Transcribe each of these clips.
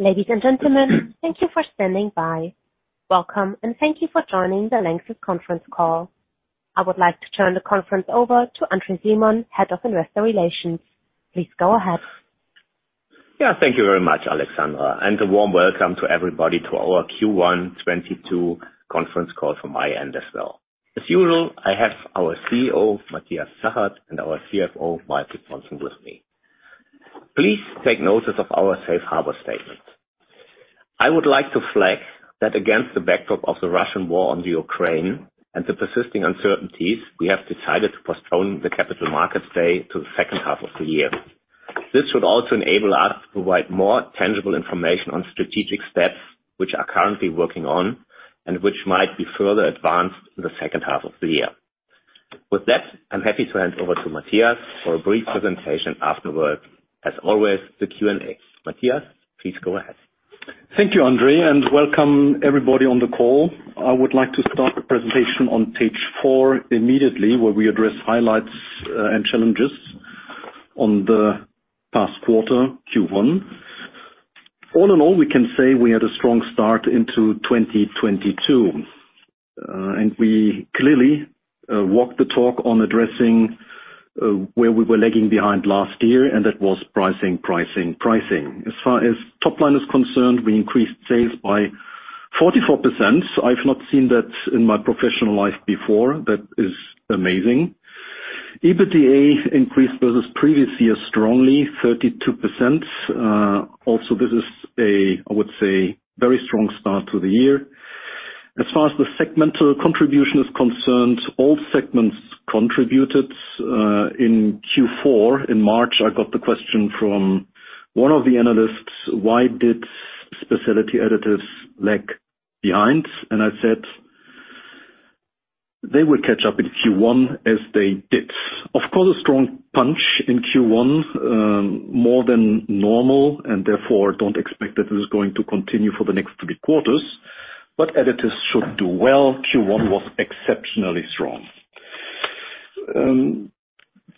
Ladies and gentlemen, thank you for standing by. Welcome, and thank you for joining the LANXESS conference call. I would like to turn the conference over to André Simon, Head of Investor Relations. Please go ahead. Yeah, thank you very much, Alexandra, and a warm welcome to everybody to our Q1 2022 conference call from my end as well. As usual, I have our CEO, Matthias Zachert, and our CFO, Michael Pontzen, with me. Please take notice of our safe harbor statement. I would like to flag that against the backdrop of the Russian war on Ukraine and the persisting uncertainties, we have decided to postpone the capital markets day to the second half of the year. This would also enable us to provide more tangible information on strategic steps which we're currently working on, and which might be further advanced in the second half of the year. With that, I'm happy to hand over to Matthias for a brief presentation, afterwards, as always, the Q&A. Matthias, please go ahead. Thank you, André, and welcome everybody on the call. I would like to start the presentation on page 4 immediately, where we address highlights and challenges of the past quarter, Q1. All in all, we can say we had a strong start into 2022, and we clearly walked the talk on addressing where we were lagging behind last year, and that was pricing. As far as top line is concerned, we increased sales by 44%. I've not seen that in my professional life before. That is amazing. EBITDA increased versus previous year strongly, 32%. Also this is a, I would say, very strong start to the year. As far as the segmental contribution is concerned, all segments contributed. In Q4, in March, I got the question from one of the analysts, "Why did Specialty Additives lag behind?" I said, "They will catch up in Q1 as they did." Of course, a strong punch in Q1, more than normal, and therefore don't expect that this is going to continue for the next three quarters. Additives should do well. Q1 was exceptionally strong.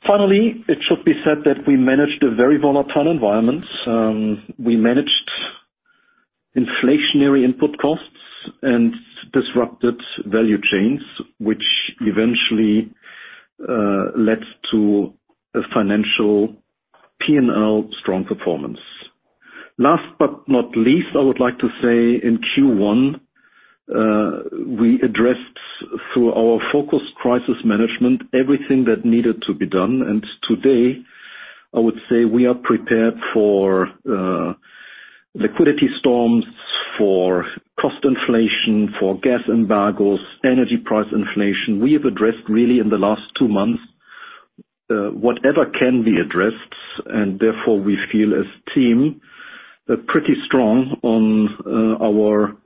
Finally, it should be said that we managed a very volatile environment. We managed inflationary input costs and disrupted value chains, which eventually led to a financial P&L strong performance. Last but not least, I would like to say in Q1, we addressed through our focused crisis management everything that needed to be done. Today, I would say we are prepared for liquidity storms, for cost inflation, for gas embargoes, energy price inflation. We have addressed really in the last two months, whatever can be addressed and therefore we feel as a team, pretty strong on our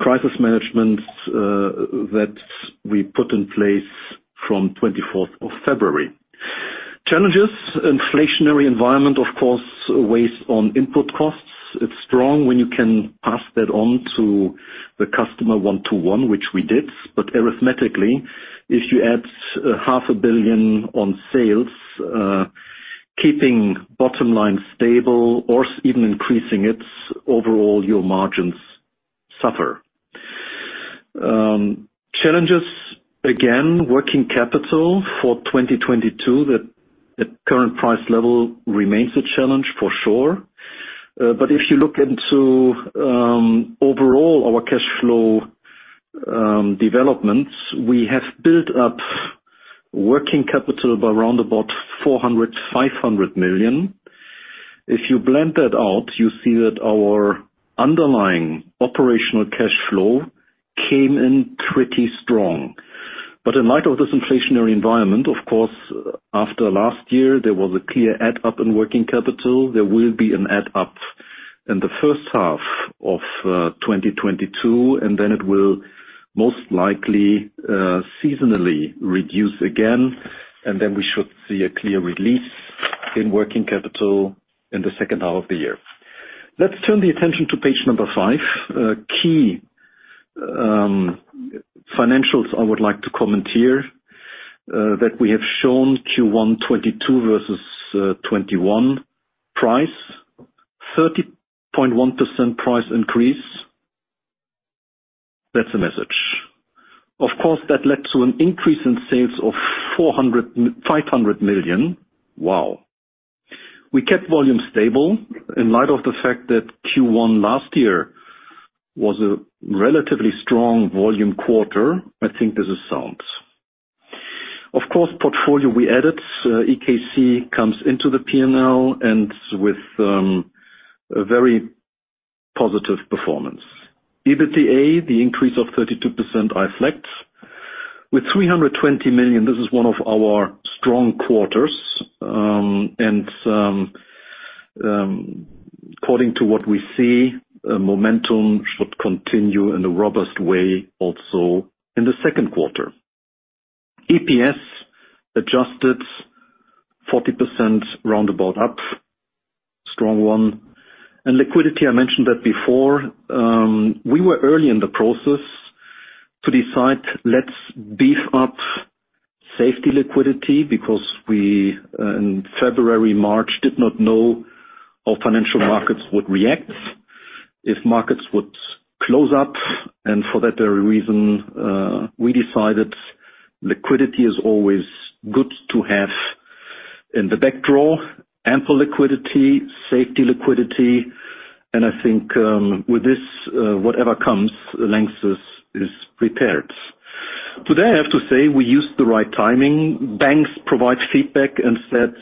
crisis management that we put in place from twenty-fourth of February. Challenges, inflationary environment, of course, weighs on input costs. It's strong when you can pass that on to the customer one-to-one, which we did. Arithmetically, if you add EUR half a billion on sales, keeping bottom line stable or even increasing it, overall your margins suffer. Challenges, again, working capital for 2022, the current price level remains a challenge for sure. If you look into overall our cash flow developments, we have built up working capital by around about 400-500 million. If you blend that out, you see that our underlying operational cash flow came in pretty strong. In light of this inflationary environment, of course, after last year, there was a clear build up in working capital. There will be a build up in the first half of 2022, and then it will most likely seasonally reduce again, and then we should see a clear release in working capital in the second half of the year. Let's turn the attention to page 5. Key financials. I would like to comment here that we have shown Q1 2022 versus 2021. Price, 30.1% price increase. That's the message. Of course, that led to an increase in sales of 500 million. Wow. We kept volume stable in light of the fact that Q1 last year was a relatively strong volume quarter. I think this is sound. Of course, portfolio we added, EKC comes into the P&L and with a very positive performance. EBITDA, the increase of 32% I flagged. With 320 million, this is one of our strong quarters. According to what we see, momentum should continue in a robust way also in the second quarter. EPS adjusted 40% roundabout up, strong one. Liquidity, I mentioned that before. We were early in the process to decide let's beef up safety liquidity, because we in February, March, did not know how financial markets would react. If markets would close up and for that very reason, we decided liquidity is always good to have in the back drawer. Ample liquidity, safety liquidity, and I think with this, whatever comes, Lanxess is prepared. Today, I have to say, we used the right timing. Banks provide feedback and said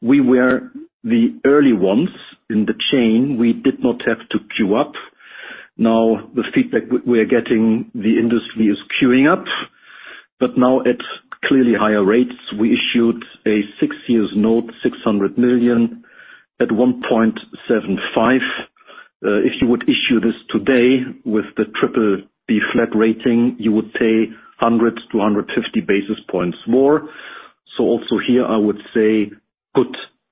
we were the early ones in the chain. We did not have to queue up. Now, the feedback we are getting, the industry is queuing up. Now at clearly higher rates, we issued a 6-year note, 600 million at 1.75%. If you would issue this today with the BBB flat rating, you would pay 100-150 basis points more. Also here, I would say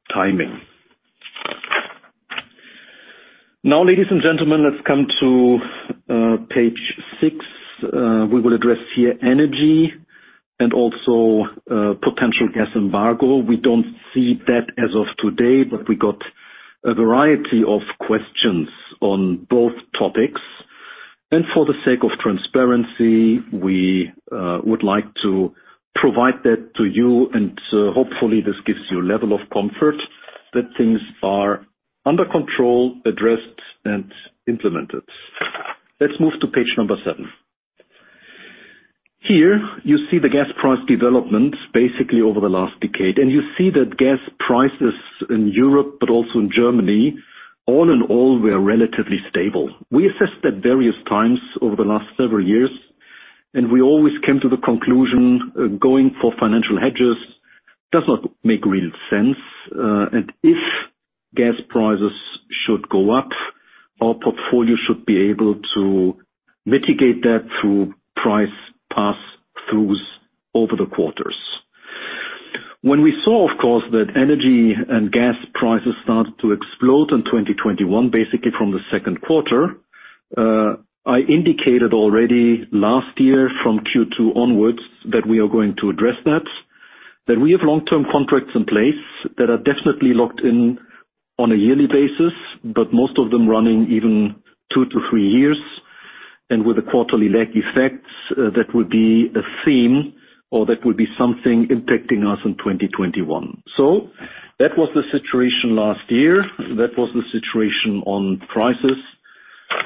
good timing. Now, ladies and gentlemen, let's come to page 6. We will address here energy and also potential gas embargo. We don't see that as of today, but we got a variety of questions on both topics. For the sake of transparency, we would like to provide that to you and so hopefully this gives you a level of comfort that things are under control, addressed, and implemented. Let's move to page number 7. Here you see the gas price development basically over the last decade. You see that gas prices in Europe but also in Germany, all in all, were relatively stable. We assessed at various times over the last several years, and we always came to the conclusion, going for financial hedges does not make real sense. If gas prices should go up, our portfolio should be able to mitigate that through price pass throughs over the quarters. When we saw, of course, that energy and gas prices started to explode in 2021, basically from the second quarter, I indicated already last year from Q2 onwards that we are going to address that. That we have long-term contracts in place that are definitely locked in on a yearly basis, but most of them running even 2-3 years. With a quarterly lag effect, that would be a theme or that would be something impacting us in 2021. That was the situation last year. That was the situation on prices.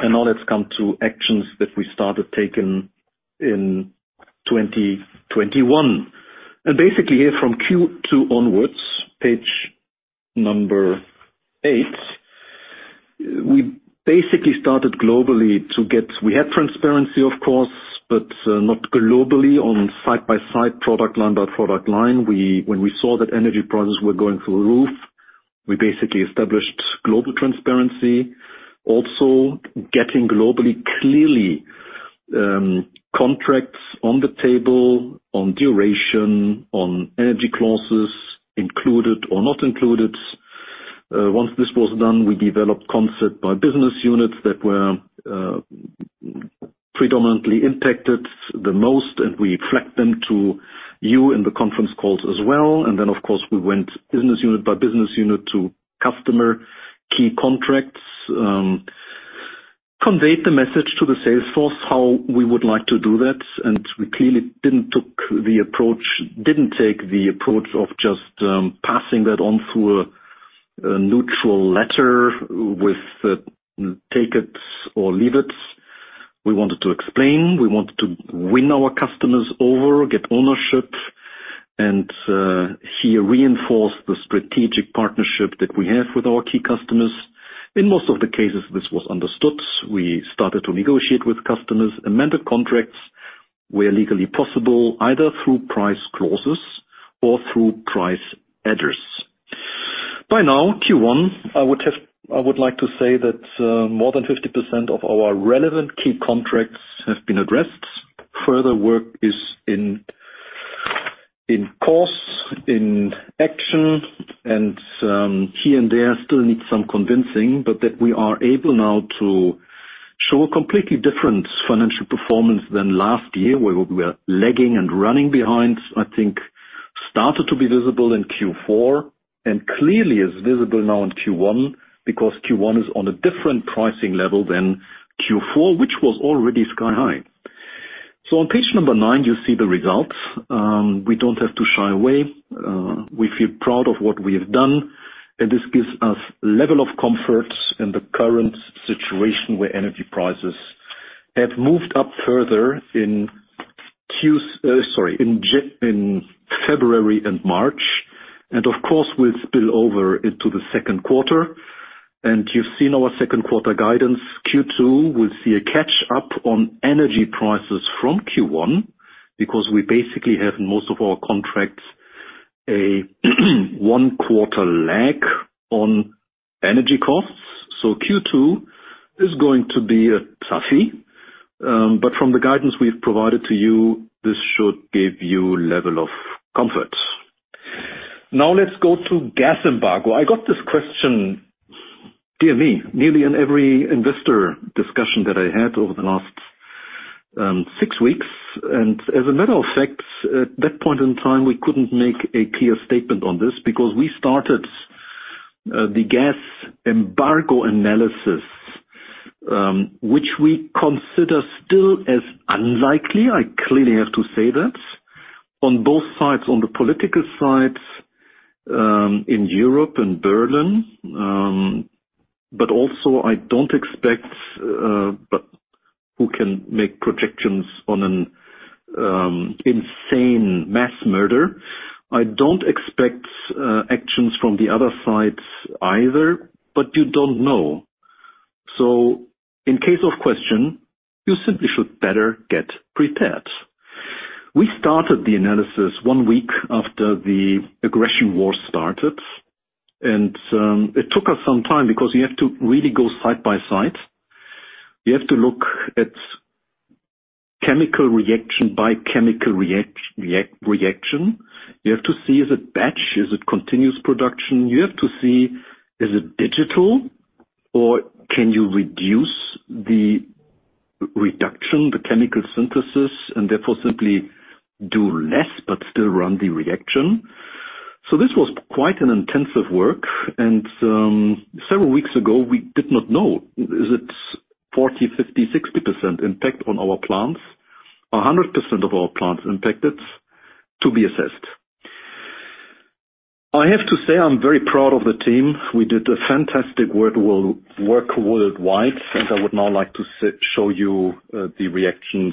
Now let's come to actions that we started taking in 2021. Basically here from Q2 onwards, page 8, we basically started globally. We had transparency of course, but not globally on side by side product line by product line. Well, when we saw that energy prices were going through the roof, we basically established global transparency. Also got global clarity on contracts on the table on duration, on energy clauses included or not included. Once this was done, we developed concept by business units that were predominantly impacted the most, and we reflected them to you in the conference calls as well. Of course, we went business unit by business unit to key customer contracts, conveyed the message to the sales force, how we would like to do that, and we clearly didn't take the approach of just passing that on through a neutral letter with take it or leave it. We wanted to explain, we wanted to win our customers over, get ownership, and here reinforce the strategic partnership that we have with our key customers. In most of the cases, this was understood. We started to negotiate with customers, amended contracts where legally possible, either through price clauses or through price adders. By now, Q1, I would like to say that more than 50% of our relevant key contracts have been addressed. Further work is in course, in action, and here and there still needs some convincing. That we are able now to show a completely different financial performance than last year, where we were lagging and running behind. I think started to be visible in Q4, and clearly is visible now in Q1 because Q1 is on a different pricing level than Q4, which was already sky-high. On page number 9, you see the results. We don't have to shy away. We feel proud of what we have done, and this gives us level of comfort in the current situation where energy prices have moved up further in February and March. Of course, it will spill over into the second quarter. You've seen our second quarter guidance. Q2 will see a catch-up on energy prices from Q1 because we basically have most of our contracts a 1-quarter lag on energy costs. Q2 is going to be a toughie. From the guidance we've provided to you, this should give you level of comfort. Now let's go to gas embargo. I got this question damn near every investor discussion that I had over the last 6 weeks. As a matter of fact, at that point in time, we couldn't make a clear statement on this because we started the gas embargo analysis, which we consider still as unlikely. I clearly have to say that. On both sides, on the political side, in Europe and Berlin, but also I don't expect, but who can make projections on an insane mass murder. I don't expect actions from the other sides either, but you don't know. In case of question, you simply should better get prepared. We started the analysis one week after the aggression war started. It took us some time because you have to really go side by side. You have to look at chemical reaction by chemical reaction. You have to see is it batch, is it continuous production? You have to see is it digital, or can you reduce the reduction, the chemical synthesis, and therefore simply do less but still run the reaction. This was quite an intensive work. Several weeks ago, we did not know, is it 40, 50, 60% impact on our plants, or 100% of our plants impacted? To be assessed. I have to say I'm very proud of the team. We did a fantastic work worldwide, and I would now like to show you the reactions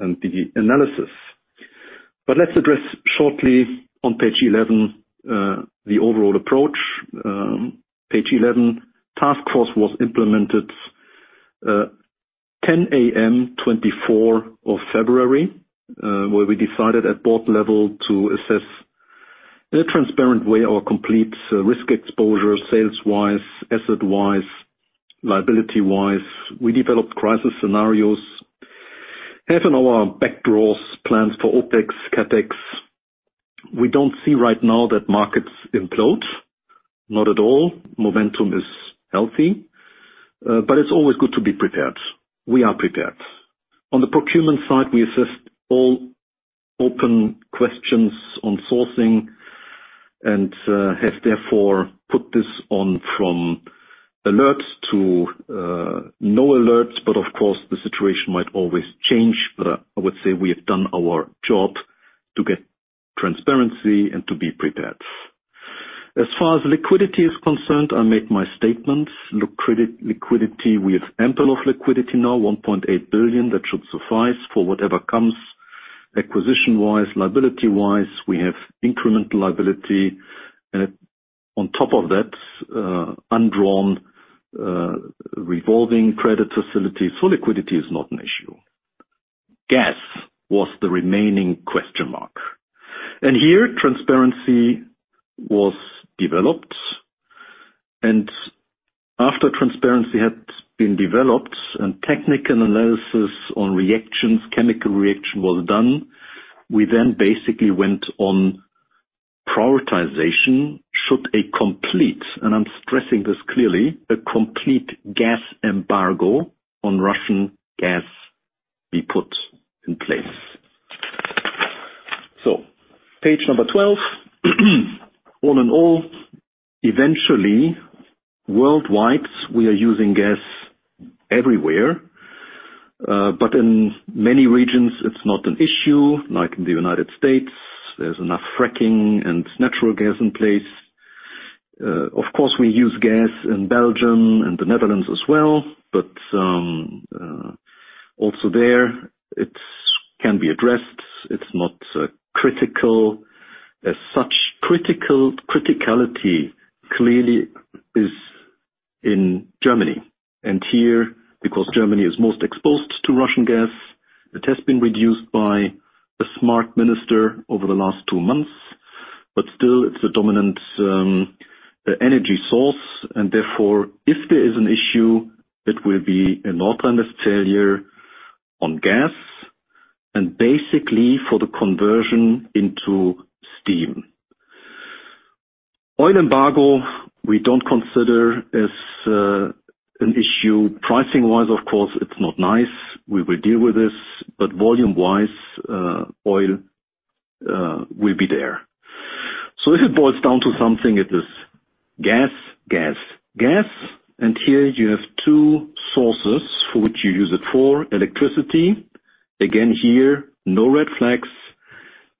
and the analysis. Let's address shortly on page 11 the overall approach. Page 11, task force was implemented 10:00 A.M., February 24, where we decided at board level to assess in a transparent way our complete risk exposure sales-wise, asset-wise, liability-wise. We developed crisis scenarios, having our backup plans for OpEx, CapEx. We don't see right now that markets implode, not at all. Momentum is healthy, but it's always good to be prepared. We are prepared. On the procurement side, we assessed all open questions on sourcing and have therefore put this on from alerts to no alerts. Of course, the situation might always change, but I would say we have done our job to get transparency and to be prepared. As far as liquidity is concerned, I make my statements. Liquidity, we have ample of liquidity now, 1.8 billion. That should suffice for whatever comes acquisition-wise, liability-wise. We have incremental liability. On top of that, undrawn revolving credit facility, so liquidity is not an issue. Gas was the remaining question mark. Here, transparency was developed. After transparency had been developed and technical analysis on reactions, chemical reaction was done, we then basically went on prioritization. Should a complete, and I'm stressing this clearly, a complete gas embargo on Russian gas be put in place. Page number 12. All in all, eventually, worldwide, we are using gas everywhere. But in many regions, it's not an issue, like in the United States. There's enough fracking and natural gas in place. Of course, we use gas in Belgium and the Netherlands as well, but also there, it can be addressed. It's not critical. As such, criticality clearly is in Germany. Here, because Germany is most exposed to Russian gas, it has been reduced by a smart minister over the last two months. Still, it's a dominant energy source. Therefore, if there is an issue, it will be in North Rhine-Westphalia on gas and basically for the conversion into steam. Oil embargo we don't consider as an issue. Pricing-wise, of course, it's not nice. We will deal with this. Volume-wise, oil, will be there. If it boils down to something, it is gas. Here you have two sources for which you use it for. Electricity, again here, no red flags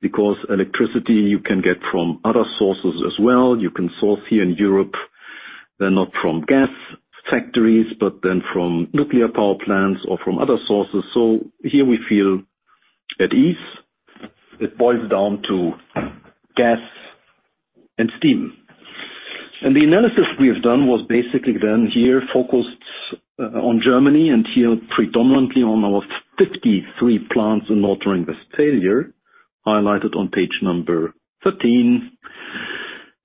because electricity you can get from other sources as well. You can source here in Europe. They're not from gas factories, but then from nuclear power plants or from other sources. Here we feel at ease. It boils down to gas and steam. The analysis we have done was basically then here focused on Germany and here predominantly on our 53 plants in North Rhine-Westphalia, highlighted on page 13.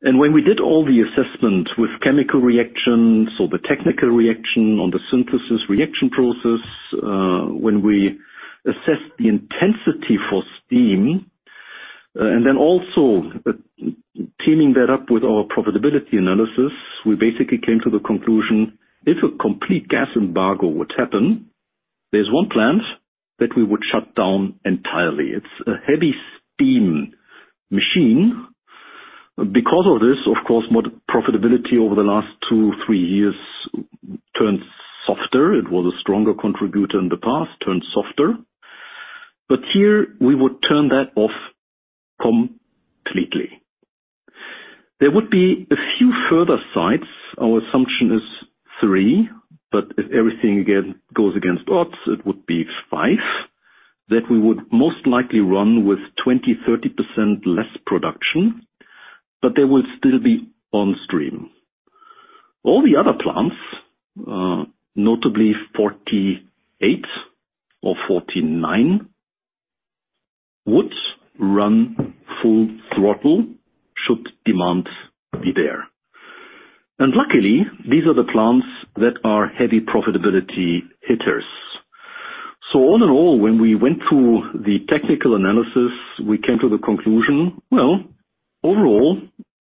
When we did all the assessment with chemical reactions or the technical reaction on the synthesis reaction process, when we assess the intensity for steam, and then also teaming that up with our profitability analysis, we basically came to the conclusion if a complete gas embargo would happen, there's one plant that we would shut down entirely. It's a heavy steam machine. Because of this, of course, more profitability over the last 2-3 years turned softer. It was a stronger contributor in the past, turned softer. Here we would turn that off completely. There would be a few further sites. Our assumption is three, but if everything again goes against odds, it would be five, that we would most likely run with 20%-30% less production, but they will still be on stream. All the other plants, notably 48 or 49, would run full throttle should demand be there. Luckily, these are the plants that are heavy profitability hitters. All in all, when we went through the technical analysis, we came to the conclusion, well, overall,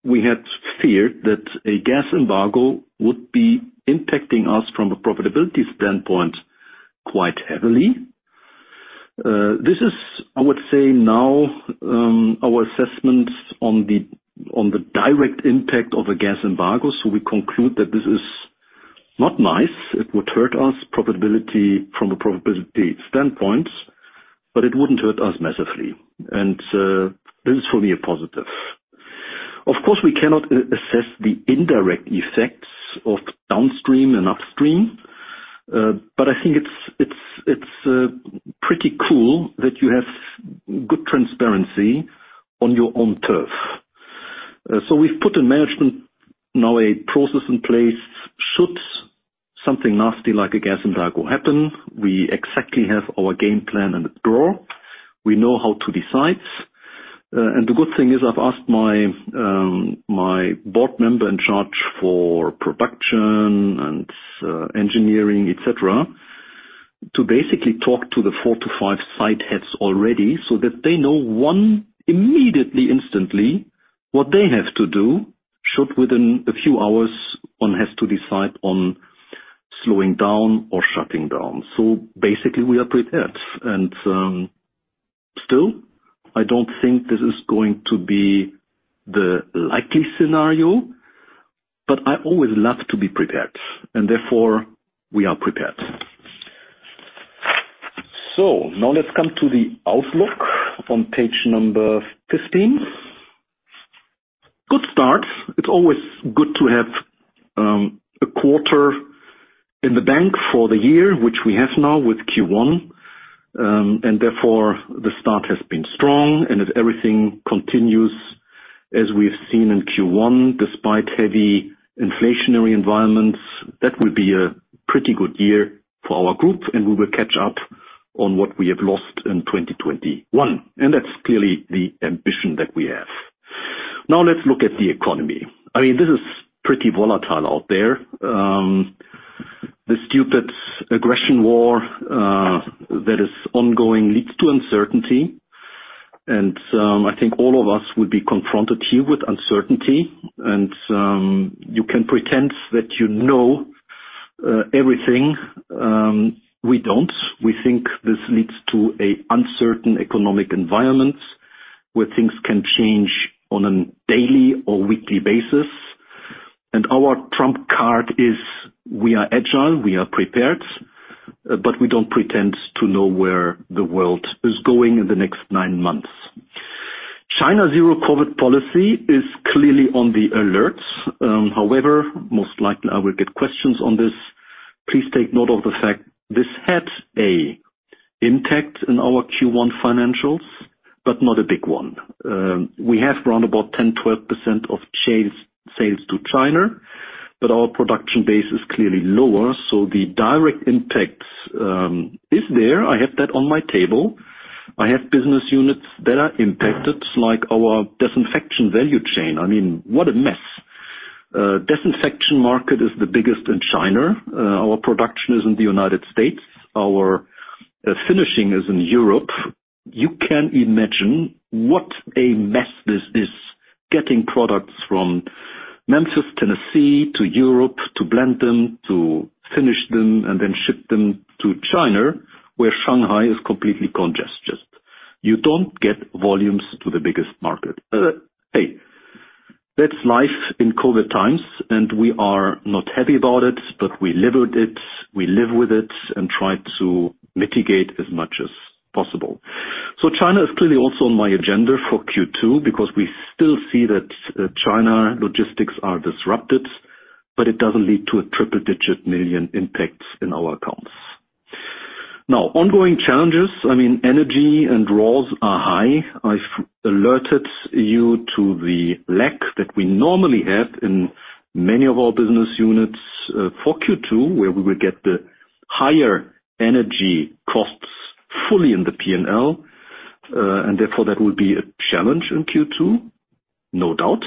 we had feared that a gas embargo would be impacting us from a profitability standpoint quite heavily. This is, I would say now, our assessments on the direct impact of a gas embargo. We conclude that this is not nice. It would hurt us profitability from a profitability standpoint, but it wouldn't hurt us massively. This will be a positive. Of course, we cannot assess the indirect effects of downstream and upstream, but I think it's pretty cool that you have good transparency on your own turf. We've put in management now a process in place should something nasty like a gas embargo happen. We exactly have our game plan in the drawer. We know how to decide. The good thing is I've asked my board member in charge for production and engineering, et cetera, to basically talk to the 4-5 site heads already so that they know one, immediately, instantly what they have to do should, within a few hours, one has to decide on slowing down or shutting down. Basically, we are prepared. Still, I don't think this is going to be the likely scenario, but I always love to be prepared, and therefore we are prepared. Now let's come to the outlook on page number 15. Good start. It's always good to have a quarter in the bank for the year, which we have now with Q1, and therefore the start has been strong. If everything continues as we've seen in Q1, despite heavy inflationary environments, that will be a pretty good year for our group, and we will catch up on what we have lost in 2021. That's clearly the ambition that we have. Now let's look at the economy. I mean, this is pretty volatile out there. The stupid aggression war that is ongoing leads to uncertainty. I think all of us would be confronted here with uncertainty. You can pretend that you know everything. We don't. We think this leads to an uncertain economic environment where things can change on a daily or weekly basis. Our trump card is we are agile, we are prepared, but we don't pretend to know where the world is going in the next nine months. China zero-COVID policy is clearly on alert. However, most likely I will get questions on this. Please take note of the fact this had an impact on our Q1 financials, but not a big one. We have around about 10%-12% of sales to China, but our production base is clearly lower, so the direct impact is there. I have that on my table. I have business units that are impacted, like our disinfection value chain. I mean, what a mess. Disinfection market is the biggest in China. Our production is in the United States. Our finishing is in Europe. You can imagine what a mess this is getting products from Memphis, Tennessee, to Europe to blend them, to finish them, and then ship them to China, where Shanghai is completely congested. You don't get volumes to the biggest market. Hey, that's life in COVID times, and we are not happy about it, but we live with it and try to mitigate as much as possible. China is clearly also on my agenda for Q2 because we still see that China logistics are disrupted, but it doesn't lead to a triple-digit million impacts in our accounts. Now, ongoing challenges. I mean, energy and raws are high. I've alerted you to the lack that we normally have in many of our business units, for Q2, where we will get the higher energy costs fully in the P&L, and therefore that will be a challenge in Q2, no doubt.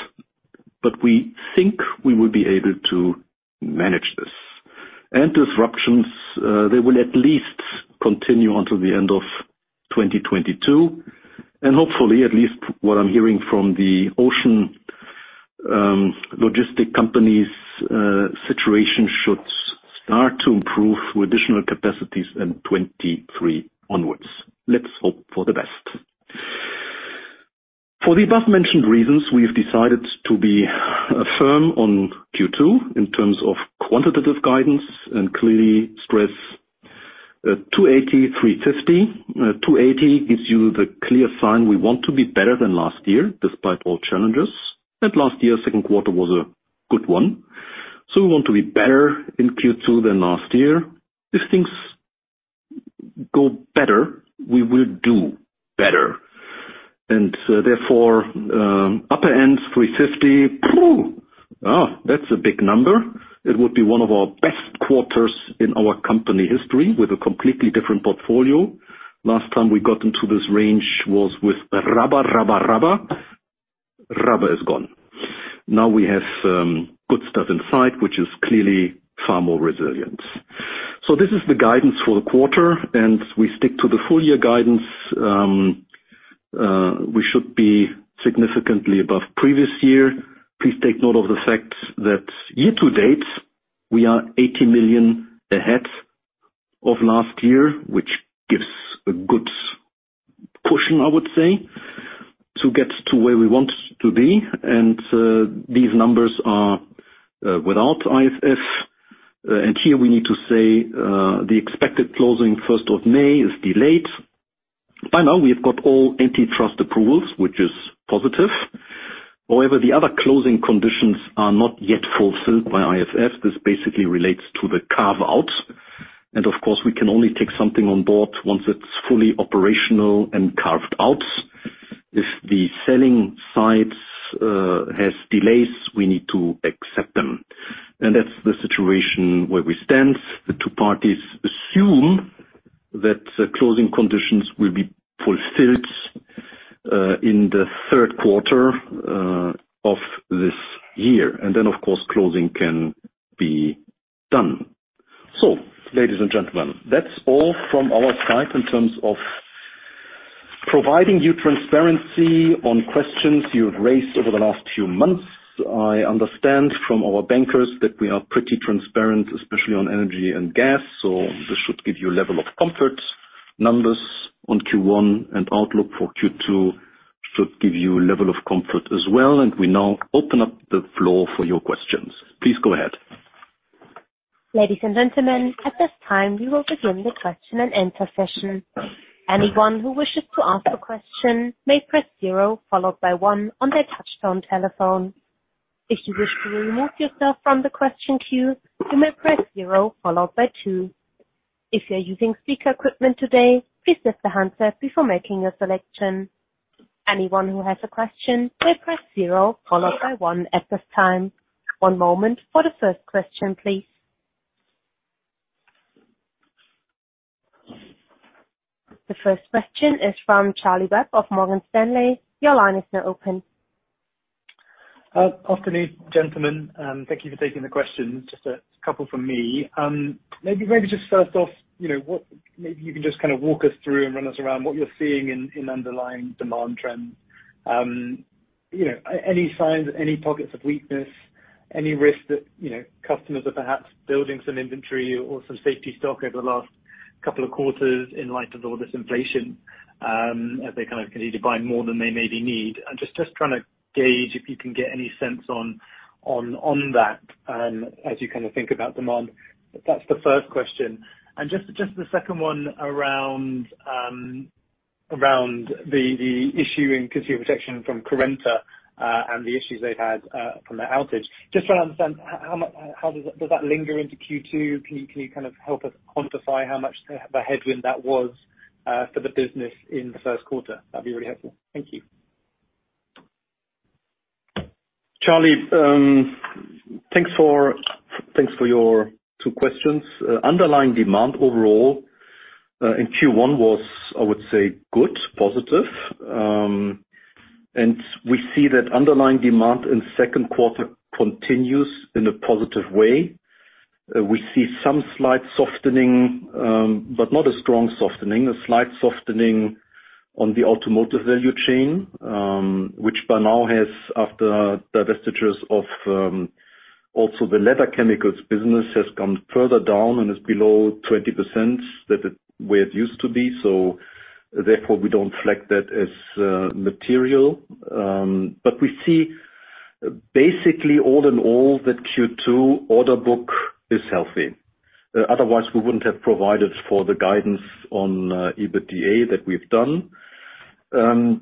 We think we will be able to manage this. Disruptions, they will at least continue until the end of 2022 and hopefully at least what I'm hearing from the ocean logistics companies, situation should start to improve with additional capacities in 2023 onwards. Let's hope for the best. For the above mentioned reasons, we have decided to be firm on Q2 in terms of quantitative guidance and clearly stress 280-350. 280 gives you the clear sign we want to be better than last year despite all challenges. Last year, second quarter was a good one, so we want to be better in Q2 than last year. If things go better, we will do better. Therefore, upper end 350. Oh, that's a big number. It would be one of our best quarters in our company history with a completely different portfolio. Last time we got into this range was with rubber. Rubber is gone. Now we have good stuff inside, which is clearly far more resilient. This is the guidance for the quarter, and we stick to the full year guidance. We should be significantly above previous year. Please take note of the fact that year to date, we are 80 million ahead of last year, which gives a good pushing, I would say, to get to where we want to be. These numbers are without IFF. Here we need to say the expected closing first of May is delayed. By now we have got all antitrust approvals, which is positive. However, the other closing conditions are not yet fulfilled by IFF. This basically relates to the carve-outs. Of course, we can only take something on board once it's fully operational and carved out. If the selling sites has delays, we need to accept them. That's the situation where we stand. The two parties assume that closing conditions will be fulfilled in the third quarter of this year. Then, of course, closing can be done. Ladies and gentlemen, that's all from our side in terms of providing you transparency on questions you've raised over the last few months. I understand from our bankers that we are pretty transparent, especially on energy and gas. This should give you a level of comfort. Numbers on Q1 and outlook for Q2 should give you a level of comfort as well. We now open up the floor for your questions. Please go ahead. Ladies and gentlemen, at this time we will begin the question and answer session. Anyone who wishes to ask a question may press zero followed by one on their touchtone telephone. If you wish to remove yourself from the question queue, you may press zero followed by two. If you're using speaker equipment today, please lift the handset before making a selection. Anyone who has a question may press zero followed by one at this time. One moment for the first question, please. The first question is from Charlie Webb of Morgan Stanley. Your line is now open. Afternoon, gentlemen. Thank you for taking the questions. Just a couple from me. Maybe just first off, you know, maybe you can just kind of walk us through and run us around what you're seeing in underlying demand trends. You know, any signs, any pockets of weakness, any risk that, you know, customers are perhaps building some inventory or some safety stock over the last couple of quarters in light of all this inflation, as they kind of continue to buy more than they maybe need? I'm just trying to gauge if you can get any sense on that, as you kind of think about demand. That's the first question. Just the second one around the issue in Consumer Protection from Currenta, and the issues they've had from the outage. Just trying to understand how does that linger into Q2? Can you kind of help us quantify how much the headwind that was for the business in the first quarter? That'd be really helpful. Thank you. Charlie, thanks for your two questions. Underlying demand overall in Q1 was, I would say, good, positive. We see that underlying demand in second quarter continues in a positive way. We see some slight softening, but not a strong softening, a slight softening on the automotive value chain, which by now has, after divestitures of also the leather chemicals business, come further down and is below 20% where it used to be. Therefore, we don't flag that as material. We see basically all in all that Q2 order book is healthy. Otherwise we wouldn't have provided for the guidance on EBITDA that we've done. In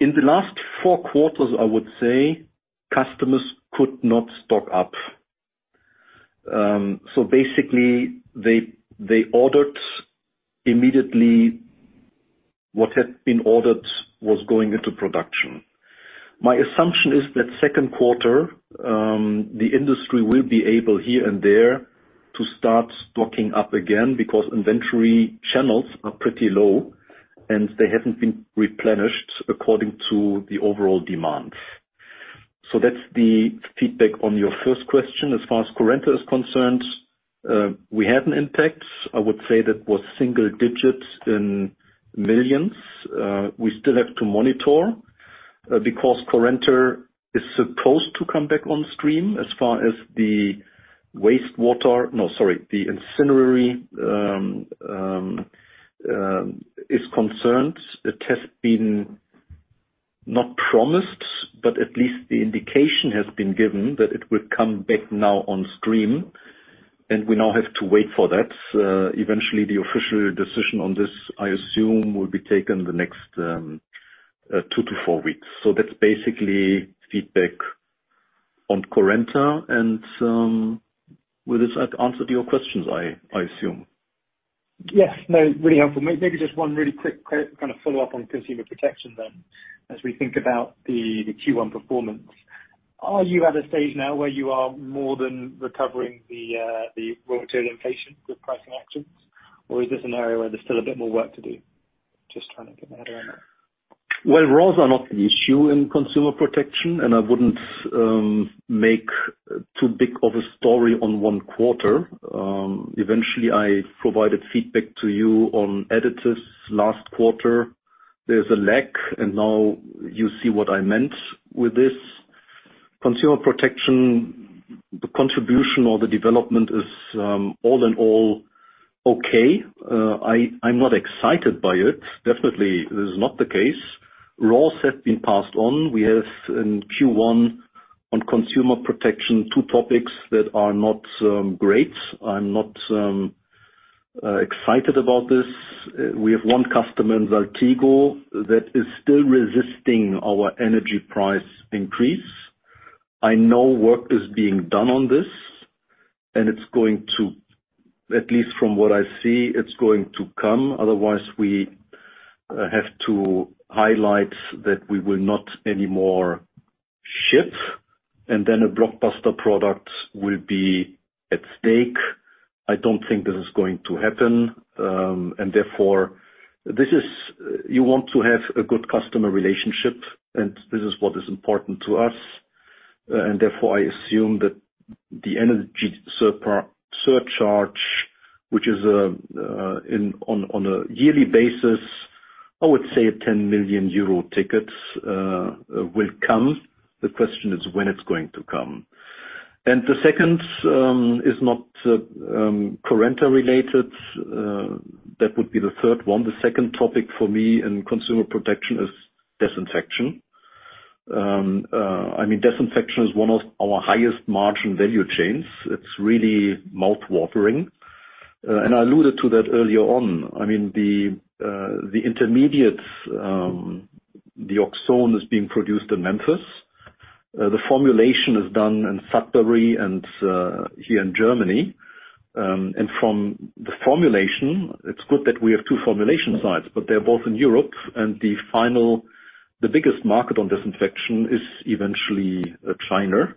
the last four quarters, I would say customers could not stock up. They ordered immediately what had been ordered was going into production. My assumption is that second quarter, the industry will be able here and there to start stocking up again because inventory channels are pretty low. They haven't been replenished according to the overall demand. That's the feedback on your first question. As far as Currenta is concerned, we had an impact. I would say that was single digits in millions of EUR. We still have to monitor, because Currenta is supposed to come back on stream as far as the incinerator is concerned. It has not been promised, but at least the indication has been given that it will come back now on stream, and we now have to wait for that. Eventually the official decision on this, I assume, will be taken the next 2-4 weeks. That's basically feedback on Currenta and with this I've answered your questions, I assume. Yes. No, really helpful. Maybe just one really quick kinda follow-up on Consumer Protection then. As we think about the Q1 performance, are you at a stage now where you are more than recovering the raw material inflation with pricing actions, or is this an area where there's still a bit more work to do? Just trying to get my head around that. Well, raws are not the issue in Consumer Protection, and I wouldn't make too big of a story on one quarter. Eventually, I provided feedback to you on additives last quarter. There's a lag, and now you see what I meant with this. Consumer Protection, the contribution or the development is all in all okay. I'm not excited by it. Definitely this is not the case. Raws have been passed on. We have in Q1 on Consumer Protection, two topics that are not great. I'm not excited about this. We have one customer in Saltigo that is still resisting our energy price increase. I know work is being done on this, and it's going to come. At least from what I see, it's going to come. Otherwise, we have to highlight that we will not anymore ship, and then a blockbuster product will be at stake. I don't think this is going to happen, and therefore, you want to have a good customer relationship, and this is what is important to us. Therefore, I assume that the energy surcharge, which is on a yearly basis, I would say a 10 million euro ticket, will come. The question is when it's going to come. The second is not Currenta related. That would be the third one. The second topic for me in Consumer Protection is disinfection. I mean, disinfection is one of our highest margin value chains. It's really mouth-watering. I alluded to that earlier on. I mean, the intermediates, the Oxone is being produced in Memphis. The formulation is done in Sudbury and here in Germany. From the formulation, it's good that we have two formulation sites, but they're both in Europe. The final, the biggest market on disinfection is eventually China.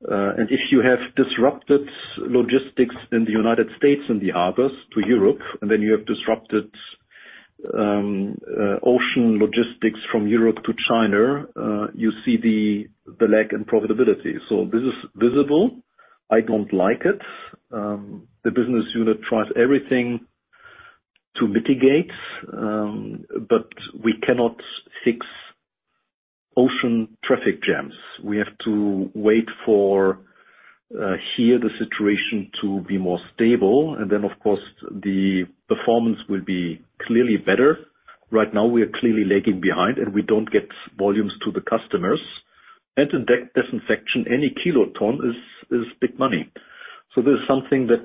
If you have disrupted logistics in the United States and the others to Europe, and then you have disrupted ocean logistics from Europe to China, you see the lag in profitability. This is visible. I don't like it. The business unit tries everything to mitigate, but we cannot fix ocean traffic jams. We have to wait for the situation to be more stable, and then of course, the performance will be clearly better. Right now, we are clearly lagging behind, and we don't get volumes to the customers. In disinfection, any kiloton is big money. This is something that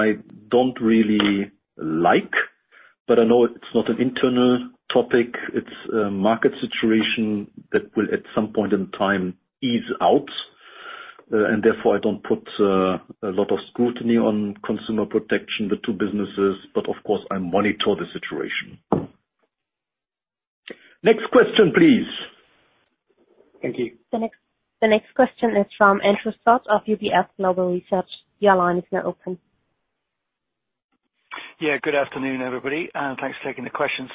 I don't really like, but I know it's not an internal topic, it's a market situation that will at some point in time ease out. Therefore, I don't put a lot of scrutiny on Consumer Protection, the two businesses. Of course, I monitor the situation. Next question, please. Thank you. The next question is from Andrew Scott of UBS Global Research. Your line is now open. Yeah. Good afternoon, everybody, and thanks for taking the questions.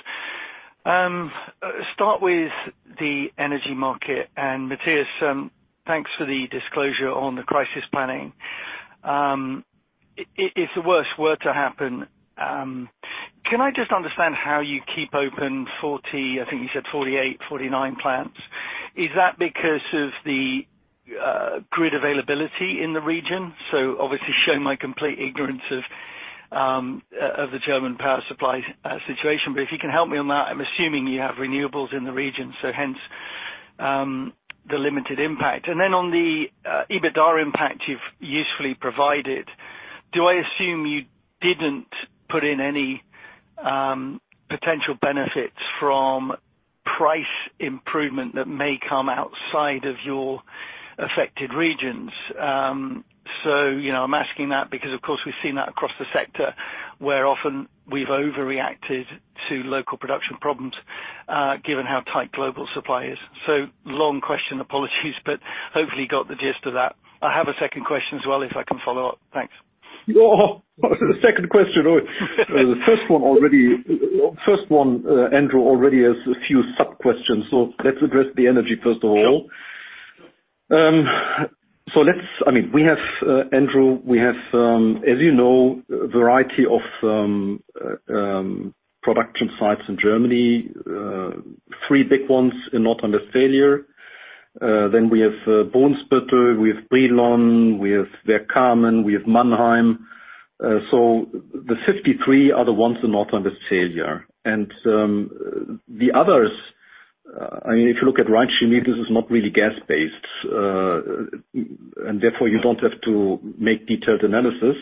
Start with the energy market. Matthias, thanks for the disclosure on the crisis planning. If the worst were to happen, can I just understand how you keep open 40, I think you said 48, 49 plants? Is that because of the grid availability in the region? Obviously showing my complete ignorance of the German power supply situation. If you can help me on that, I'm assuming you have renewables in the region, hence the limited impact. Then on the EBITDA impact you've usefully provided, do I assume you didn't put in any potential benefits from price improvement that may come outside of your affected regions? You know, I'm asking that because, of course, we've seen that across the sector, where often we've overreacted to local production problems, given how tight global supply is. Long question, apologies, but hopefully you got the gist of that. I have a second question as well, if I can follow up. Thanks. Second question. Andrew already has a few sub-questions, so let's address the energy first of all. I mean, Andrew, as you know, we have a variety of production sites in Germany. Three big ones in North Rhine-Westphalia. Then we have Brunsbüttel, we have Brilon, we have Wermelskirchen, we have Mannheim. The 53 are the ones in North Rhine-Westphalia. The others, I mean, if you look at Rhein Chemie, this is not really gas-based, and therefore you don't have to make detailed analysis.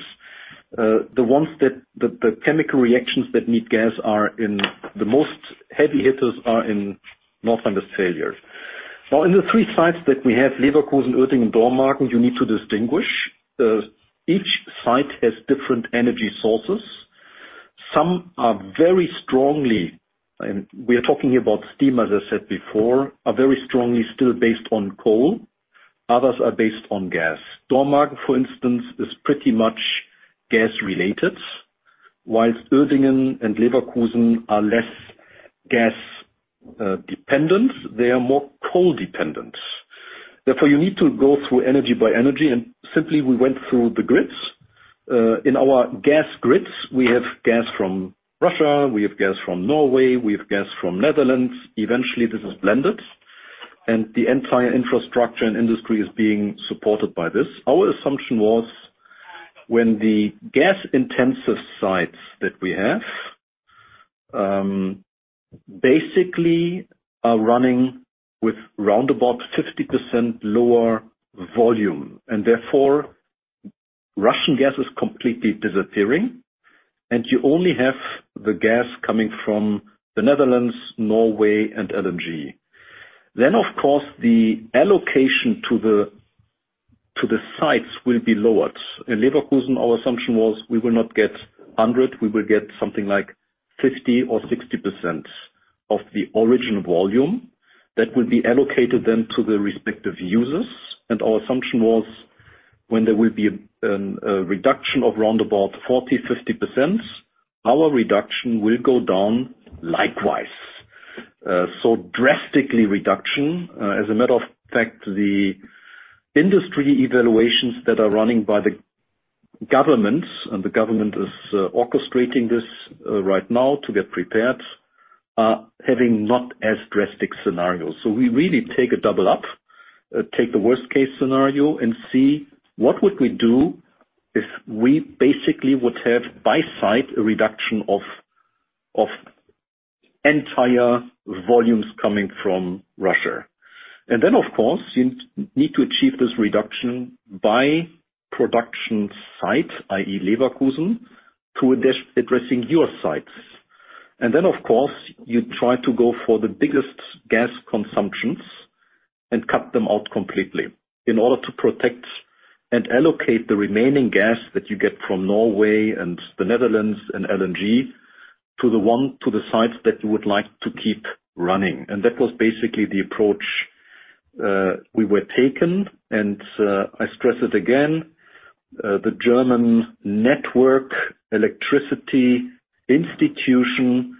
The chemical reactions that need gas are in the most heavy hitters are in North Rhine-Westphalia. Now, in the three sites that we have, Leverkusen, Uerdingen, Dormagen, you need to distinguish. Each site has different energy sources. Some are very strongly, and we are talking about steam, as I said before, are very strongly still based on coal. Others are based on gas. Dormagen, for instance, is pretty much gas-related, while Uerdingen and Leverkusen are less gas dependent. They are more coal-dependent. Therefore, you need to go through energy by energy, and simply we went through the grids. In our gas grids, we have gas from Russia, we have gas from Norway, we have gas from the Netherlands. Eventually, this is blended. The entire infrastructure and industry is being supported by this. Our assumption was when the gas-intensive sites that we have basically are running with round about 50% lower volume, and therefore Russian gas is completely disappearing, and you only have the gas coming from the Netherlands, Norway, and LNG. Of course, the allocation to the sites will be lowered. In Leverkusen, our assumption was we will not get 100, we will get something like 50 or 60% of the original volume that will be allocated then to the respective users. Our assumption was when there will be a reduction of round about 40-50%, our reduction will go down likewise. Drastic reduction. As a matter of fact, the industry evaluations that are running by the governments, and the government is orchestrating this right now to get prepared, are having not as drastic scenarios. We really take a double up, take the worst-case scenario and see what would we do if we basically would have by site a reduction of entire volumes coming from Russia. You need to achieve this reduction by production site, i.e. Leverkusen, to addressing your sites. You try to go for the biggest gas consumptions and cut them out completely in order to protect and allocate the remaining gas that you get from Norway and the Netherlands and LNG to the sites that you would like to keep running. That was basically the approach we were taking. I stress it again, the German network electricity institution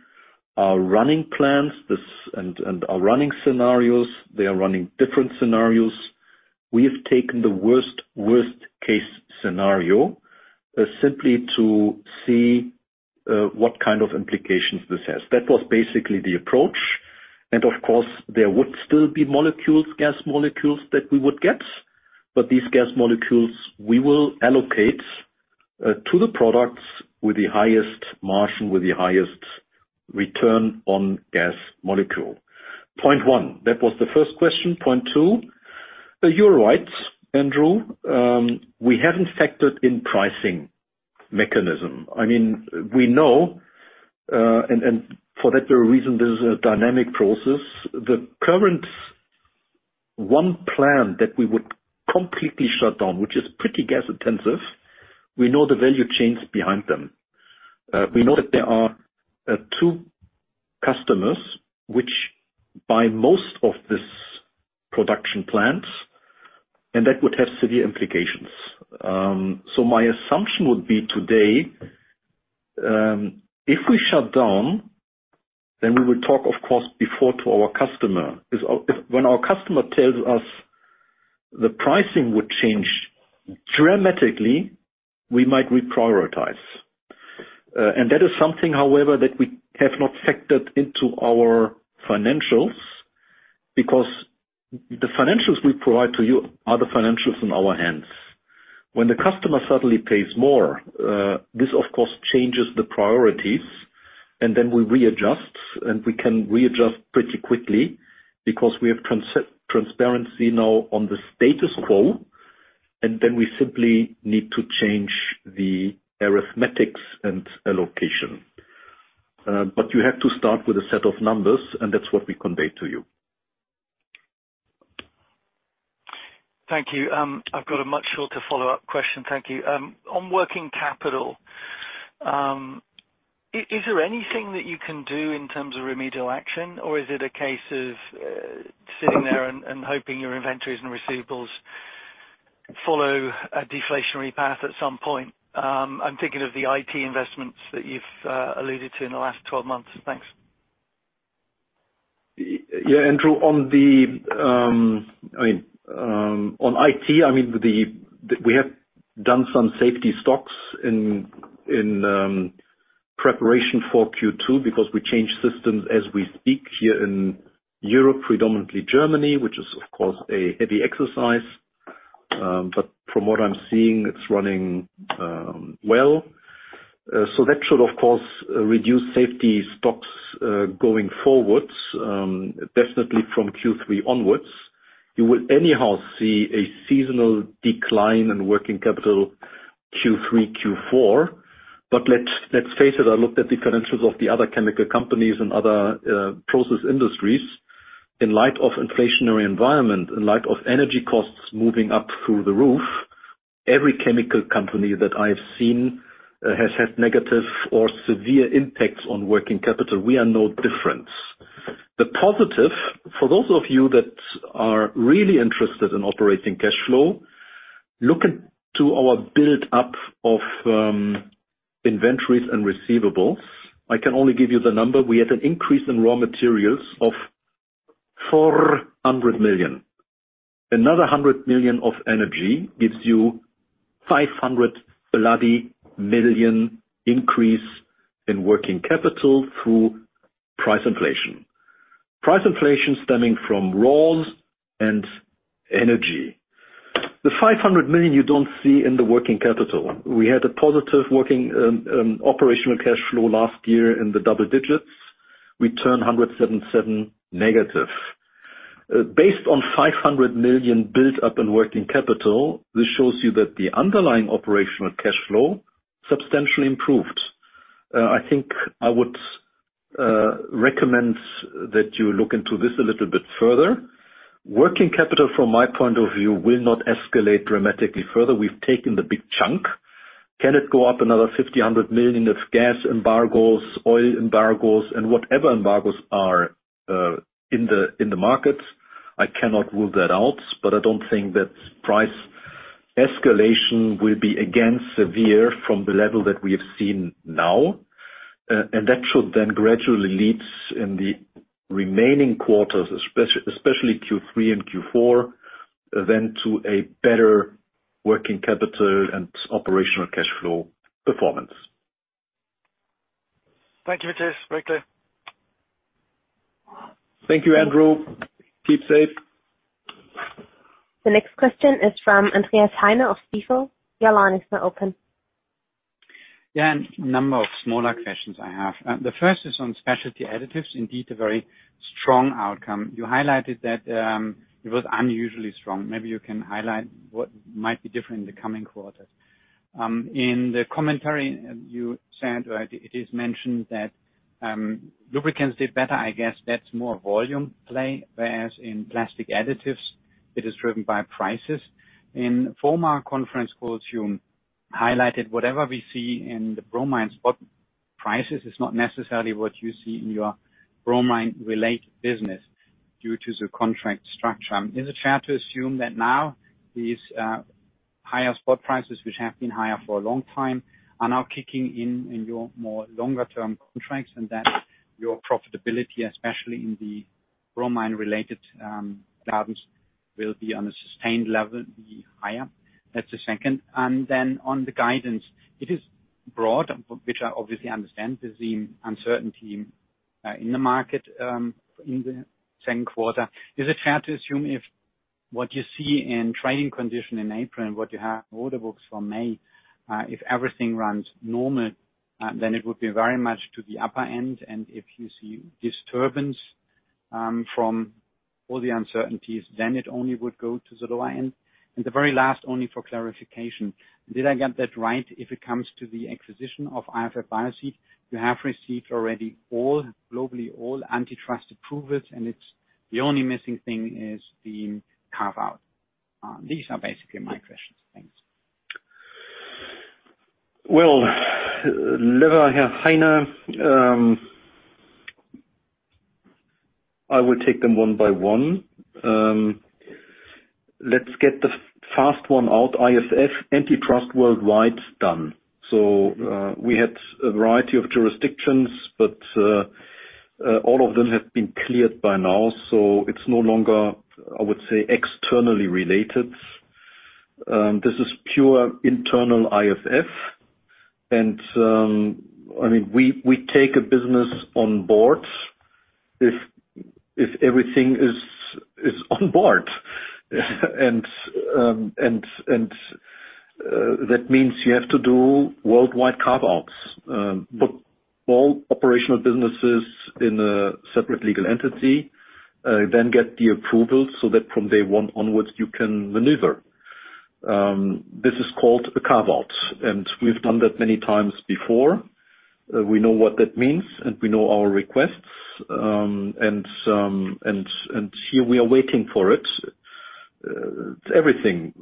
are running plans, this, and are running scenarios. They are running different scenarios. We have taken the worst-case scenario simply to see what kind of implications this has. That was basically the approach. There would still be molecules, gas molecules that we would get. These gas molecules we will allocate to the products with the highest margin, with the highest return on gas molecule. Point one, that was the first question. Point two, you're right, Andrew. We haven't factored in pricing mechanism. I mean, we know, and for that very reason, this is a dynamic process. The current one plant that we would completely shut down, which is pretty gas intensive, we know the value chains behind them. We know that there are two customers which buy most of these production plants, and that would have severe implications. My assumption would be today, if we shut down, then we will talk, of course, before to our customer. When our customer tells us the pricing would change dramatically, we might reprioritize. That is something, however, that we have not factored into our financials because the financials we provide to you are the financials in our hands. When the customer suddenly pays more, this of course changes the priorities, and then we readjust, and we can readjust pretty quickly because we have cost transparency now on the status quo, and then we simply need to change the arithmetic and allocation. You have to start with a set of numbers, and that's what we convey to you. Thank you. I've got a much shorter follow-up question. Thank you. On working capital, is there anything that you can do in terms of remedial action, or is it a case of sitting there and hoping your inventories and receivables follow a deflationary path at some point? I'm thinking of the IT investments that you've alluded to in the last 12 months. Thanks. Yeah, Andrew, on IT, we have done some safety stocks in preparation for Q2 because we changed systems as we speak here in Europe, predominantly Germany, which is of course a heavy exercise. From what I'm seeing, it's running well. That should, of course, reduce safety stocks going forwards definitely from Q3 onwards. You will anyhow see a seasonal decline in working capital Q3, Q4. Let's face it, I looked at the financials of the other chemical companies and other process industries. In light of inflationary environment, in light of energy costs moving up through the roof, every chemical company that I've seen has had negative or severe impacts on working capital. We are no different. The positive, for those of you that are really interested in operating cash flow, look into our build-up of inventories and receivables. I can only give you the number. We had an increase in raw materials of 400 million. Another 100 million of energy gives you 500 million increase in working capital through price inflation. Price inflation stemming from raws and energy. The 500 million you don't see in the working capital. We had a positive operational cash flow last year in the double digits. We turned 177 million negative. Based on 500 million build-up in working capital, this shows you that the underlying operational cash flow substantially improved. I think I would recommend that you look into this a little bit further. Working capital, from my point of view, will not escalate dramatically further. We've taken the big chunk. Can it go up another 50 million, 100 million of gas embargoes, oil embargoes, and whatever embargoes are in the market? I cannot rule that out, but I don't think that price escalation will be again severe from the level that we have seen now. That should then gradually leads in the remaining quarters, especially Q3 and Q4, then to a better working capital and operational cash flow performance. Thank you, Matthias. Very clear. Thank you, Andrew. Keep safe. The next question is from Andreas Heine of Stifel. Your line is now open. Yeah, a number of smaller questions I have. The first is on Specialty Additives, indeed, a very strong outcome. You highlighted that it was unusually strong. Maybe you can highlight what might be different in the coming quarters. In the commentary you said, or it is mentioned that lubricants did better. I guess that's more volume play, whereas in plastic additives it is driven by prices. In former conference calls, you highlighted whatever we see in the bromine spot prices is not necessarily what you see in your bromine-related business due to the contract structure. Is it fair to assume that now these higher spot prices, which have been higher for a long time, are now kicking in in your more longer-term contracts and that your profitability, especially in the bromine-related businesses, will be on a sustained level, be higher? That's the second. On the guidance, it is broad, which I obviously understand. There's the uncertainty in the market in the second quarter. Is it fair to assume if what you see in trading condition in April and what you have order books for May, if everything runs normal, then it would be very much to the upper end? If you see disturbance from all the uncertainties, then it only would go to the lower end. The very last, only for clarification, did I get that right if it comes to the acquisition of IFF Microbial Control? You have received already all, globally, all antitrust approvals, and it's the only missing thing is the carve-out. These are basically my questions. Thanks. Well, Lieber Herr Heine. I will take them one by one. Let's get the fast one out. IFF antitrust worldwide is done. We had a variety of jurisdictions, but all of them have been cleared by now, so it's no longer, I would say, externally related. This is pure internal IFF. I mean, we take a business on board if everything is on board. That means you have to do worldwide carve-outs. Put all operational businesses in a separate legal entity, then get the approval so that from day one onwards, you can maneuver. This is called a carve-out, and we've done that many times before. We know what that means, and we know our requests. Here we are waiting for it. Everything.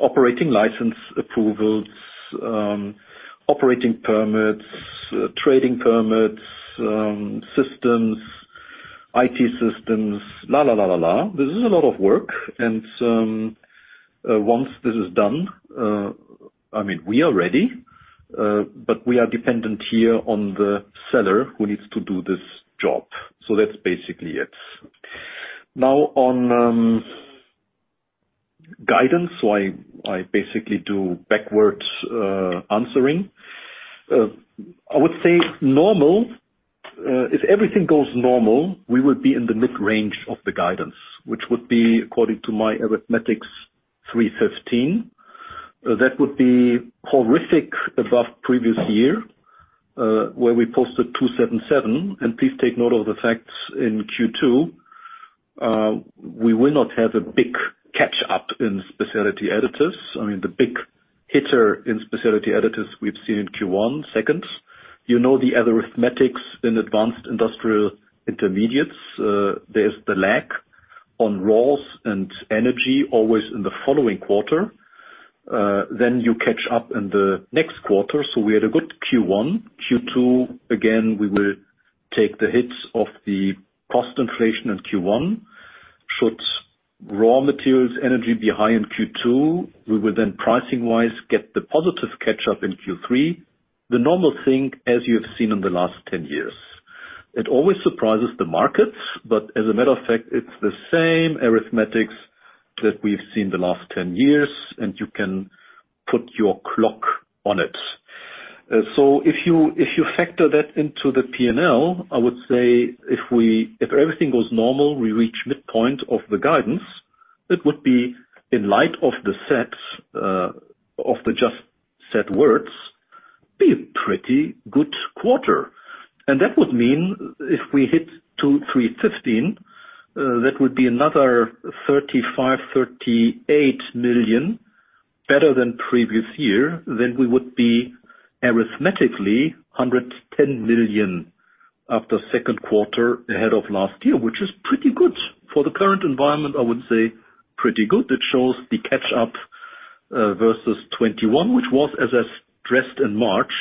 Operating license approvals, operating permits, trading permits, systems, IT systems. This is a lot of work. Once this is done, I mean, we are ready, but we are dependent here on the seller who needs to do this job. That's basically it. Now, on guidance, I basically do backwards answering. I would say normal. If everything goes normal, we would be in the mid-range of the guidance, which would be according to my arithmetic, 315. That would be far above previous year, where we posted 277. Please take note of the facts in Q2. We will not have a big catch up in Specialty Additives. I mean, the big hitter in Specialty Additives we've seen in Q1, second. You know, the arithmetics in Advanced Industrial Intermediates, there's the lag on raws and energy always in the following quarter. Then you catch up in the next quarter. We had a good Q1. Q2, again, we will take the hits of the cost inflation in Q1. Should raw materials, energy be high in Q2, we will then, pricing-wise, get the positive catch-up in Q3. The normal thing as you have seen in the last 10 years. It always surprises the markets, but as a matter of fact, it's the same arithmetics that we've seen the last 10 years, and you can put your clock on it. If you factor that into the P&L, I would say if everything goes normal, we reach midpoint of the guidance. That would be in light of the sets of the just said words be a pretty good quarter. That would mean if we hit 2,315, that would be another 35 million-38 million better than previous year, then we would be arithmetically 110 million after second quarter ahead of last year, which is pretty good. For the current environment, I would say pretty good. It shows the catch up versus 2021, which was, as I stressed in March,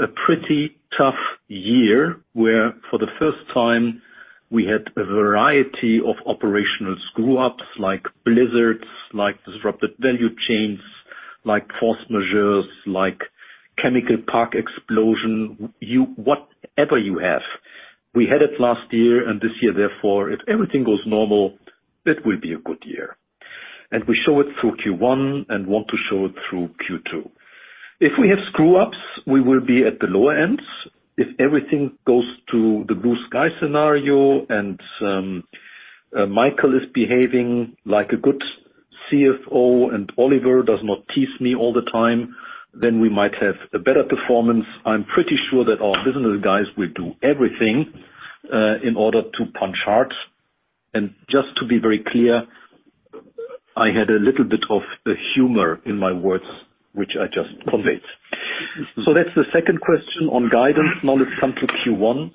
a pretty tough year, where for the first time we had a variety of operational screw-ups like blizzards, like disrupted value chains, like force majeures, like chemical park explosion. Whatever you have. We had it last year and this year, therefore, if everything goes normal, that will be a good year. We show it through Q1 and want to show it through Q2. If we have screw-ups, we will be at the lower end. If everything goes to the blue sky scenario and, Michael is behaving like a good CFO and Oliver does not tease me all the time, then we might have a better performance. I'm pretty sure that our business guys will do everything, in order to punch hard. Just to be very clear, I had a little bit of a humor in my words, which I just conveyed. That's the second question on guidance. Now let's come to Q1.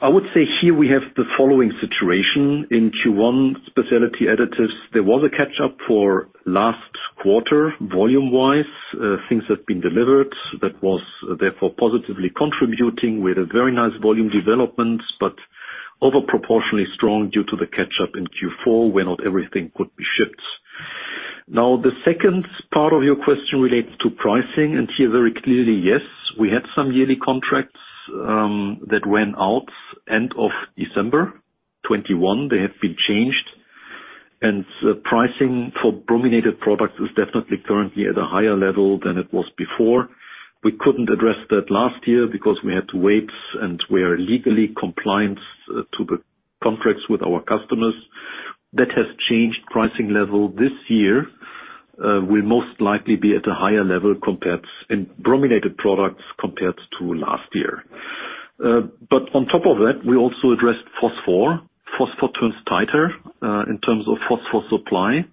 I would say here we have the following situation. In Q1, Specialty Additives, there was a catch-up for last quarter volume-wise. Things have been delivered that was therefore positively contributing. We had a very nice volume development, but over proportionally strong due to the catch-up in Q4, where not everything could be shipped. Now, the second part of your question relates to pricing. Here, very clearly, yes, we had some yearly contracts that went out end of December 2021. They have been changed. Pricing for brominated products is definitely currently at a higher level than it was before. We couldn't address that last year because we had to wait and we are legally compliant to the contracts with our customers. That has changed. Pricing level this year will most likely be at a higher level in brominated products compared to last year. On top of that, we also addressed phosphorus. Phosphorus turns tighter in terms of phosphorus supply.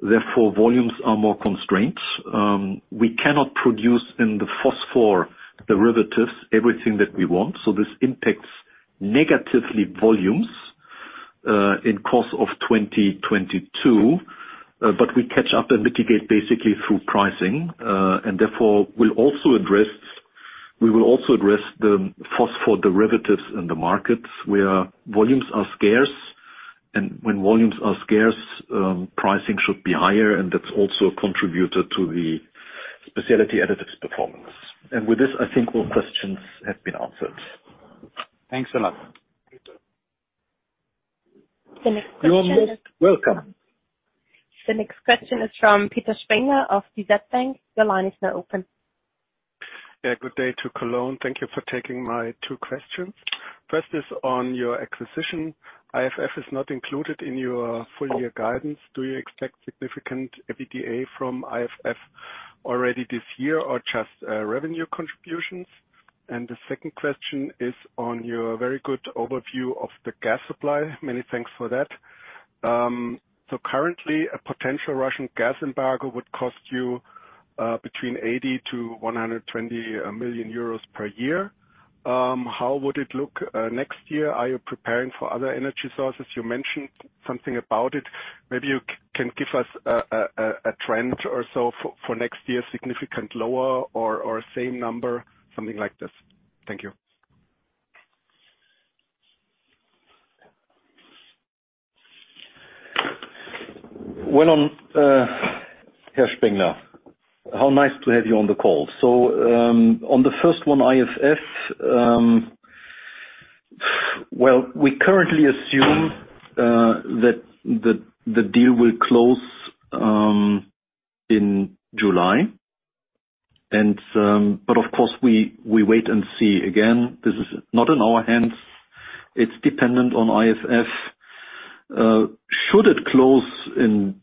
Therefore, volumes are more constrained. We cannot produce in the phosphorus derivatives everything that we want. This impacts negatively volumes in course of 2022. We catch up and mitigate basically through pricing, and therefore will also address the phosphorus derivatives in the markets where volumes are scarce. When volumes are scarce, pricing should be higher, and that's also a contributor to the Specialty Additives performance. With this, I think all questions have been answered. Thanks a lot. The next question is. You are most welcome. The next question is from Peter Spengler of DZ Bank. Your line is now open. Yeah, good day to Cologne. Thank you for taking my two questions. First is on your acquisition. IFF is not included in your full year guidance. Do you expect significant EBITDA from IFF already this year or just revenue contributions? The second question is on your very good overview of the gas supply. Many thanks for that. Currently a potential Russian gas embargo would cost you between 80 million-120 million euros per year. How would it look next year? Are you preparing for other energy sources? You mentioned something about it. Maybe you can give us a trend or so for next year, significant lower or same number, something like this. Thank you. Welcome, Herr Spengler. How nice to have you on the call. On the first one, IFF, well, we currently assume that the deal will close in July. Of course, we wait and see. Again, this is not in our hands. It's dependent on IFF. Should it close in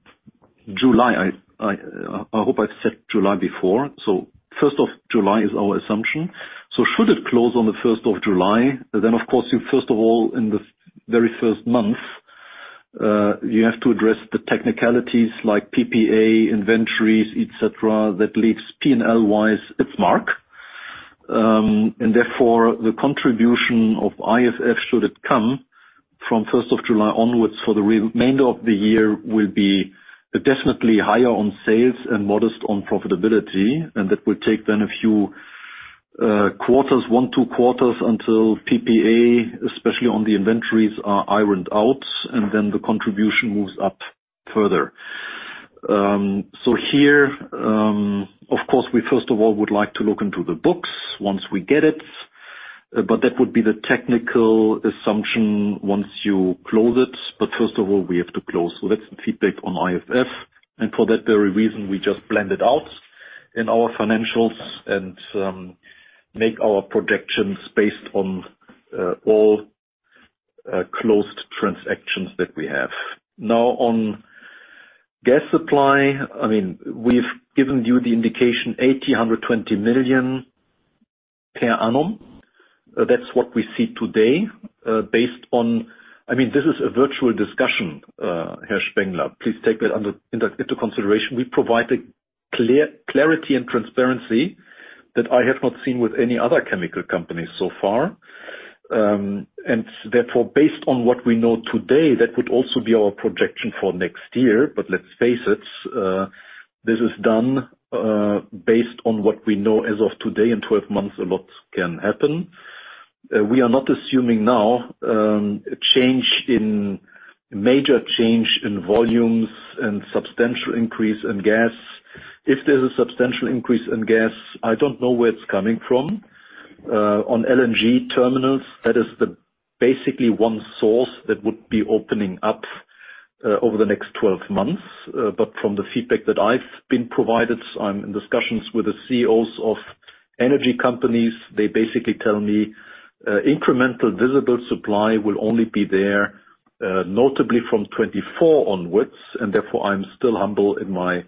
July, I hope I've said July before, so first of July is our assumption. Should it close on the first of July, then of course, you first of all, in the very first month, you have to address the technicalities like PPA, inventories, et cetera, that leaves P&L-wise its mark. Therefore, the contribution of IFF should it come from first of July onwards for the remainder of the year will be definitely higher on sales and modest on profitability, and that will take then a few quarters, one, two quarters until PPA, especially on the inventories, are ironed out, and then the contribution moves up further. Here, of course, we first of all would like to look into the books once we get it, but that would be the technical assumption once you close it. First of all, we have to close. That's the feedback on IFF, and for that very reason, we just blend it out in our financials and make our projections based on all closed transactions that we have. Now, on gas supply, I mean, we've given you the indication 80 million-120 million per annum. That's what we see today, based on. I mean, this is a virtual discussion, Herr Spengler. Please take that into consideration. We provide clarity and transparency that I have not seen with any other chemical company so far. Therefore, based on what we know today, that would also be our projection for next year. Let's face it, this is done based on what we know as of today. In 12 months, a lot can happen. We are not assuming now a major change in volumes and substantial increase in gas. If there's a substantial increase in gas, I don't know where it's coming from. On LNG terminals, that's basically the one source that would be opening up over the next 12 months. From the feedback that I've been provided, I'm in discussions with the CEOs of energy companies. They basically tell me incremental visible supply will only be there notably from 2024 onwards, and therefore I'm still humble in my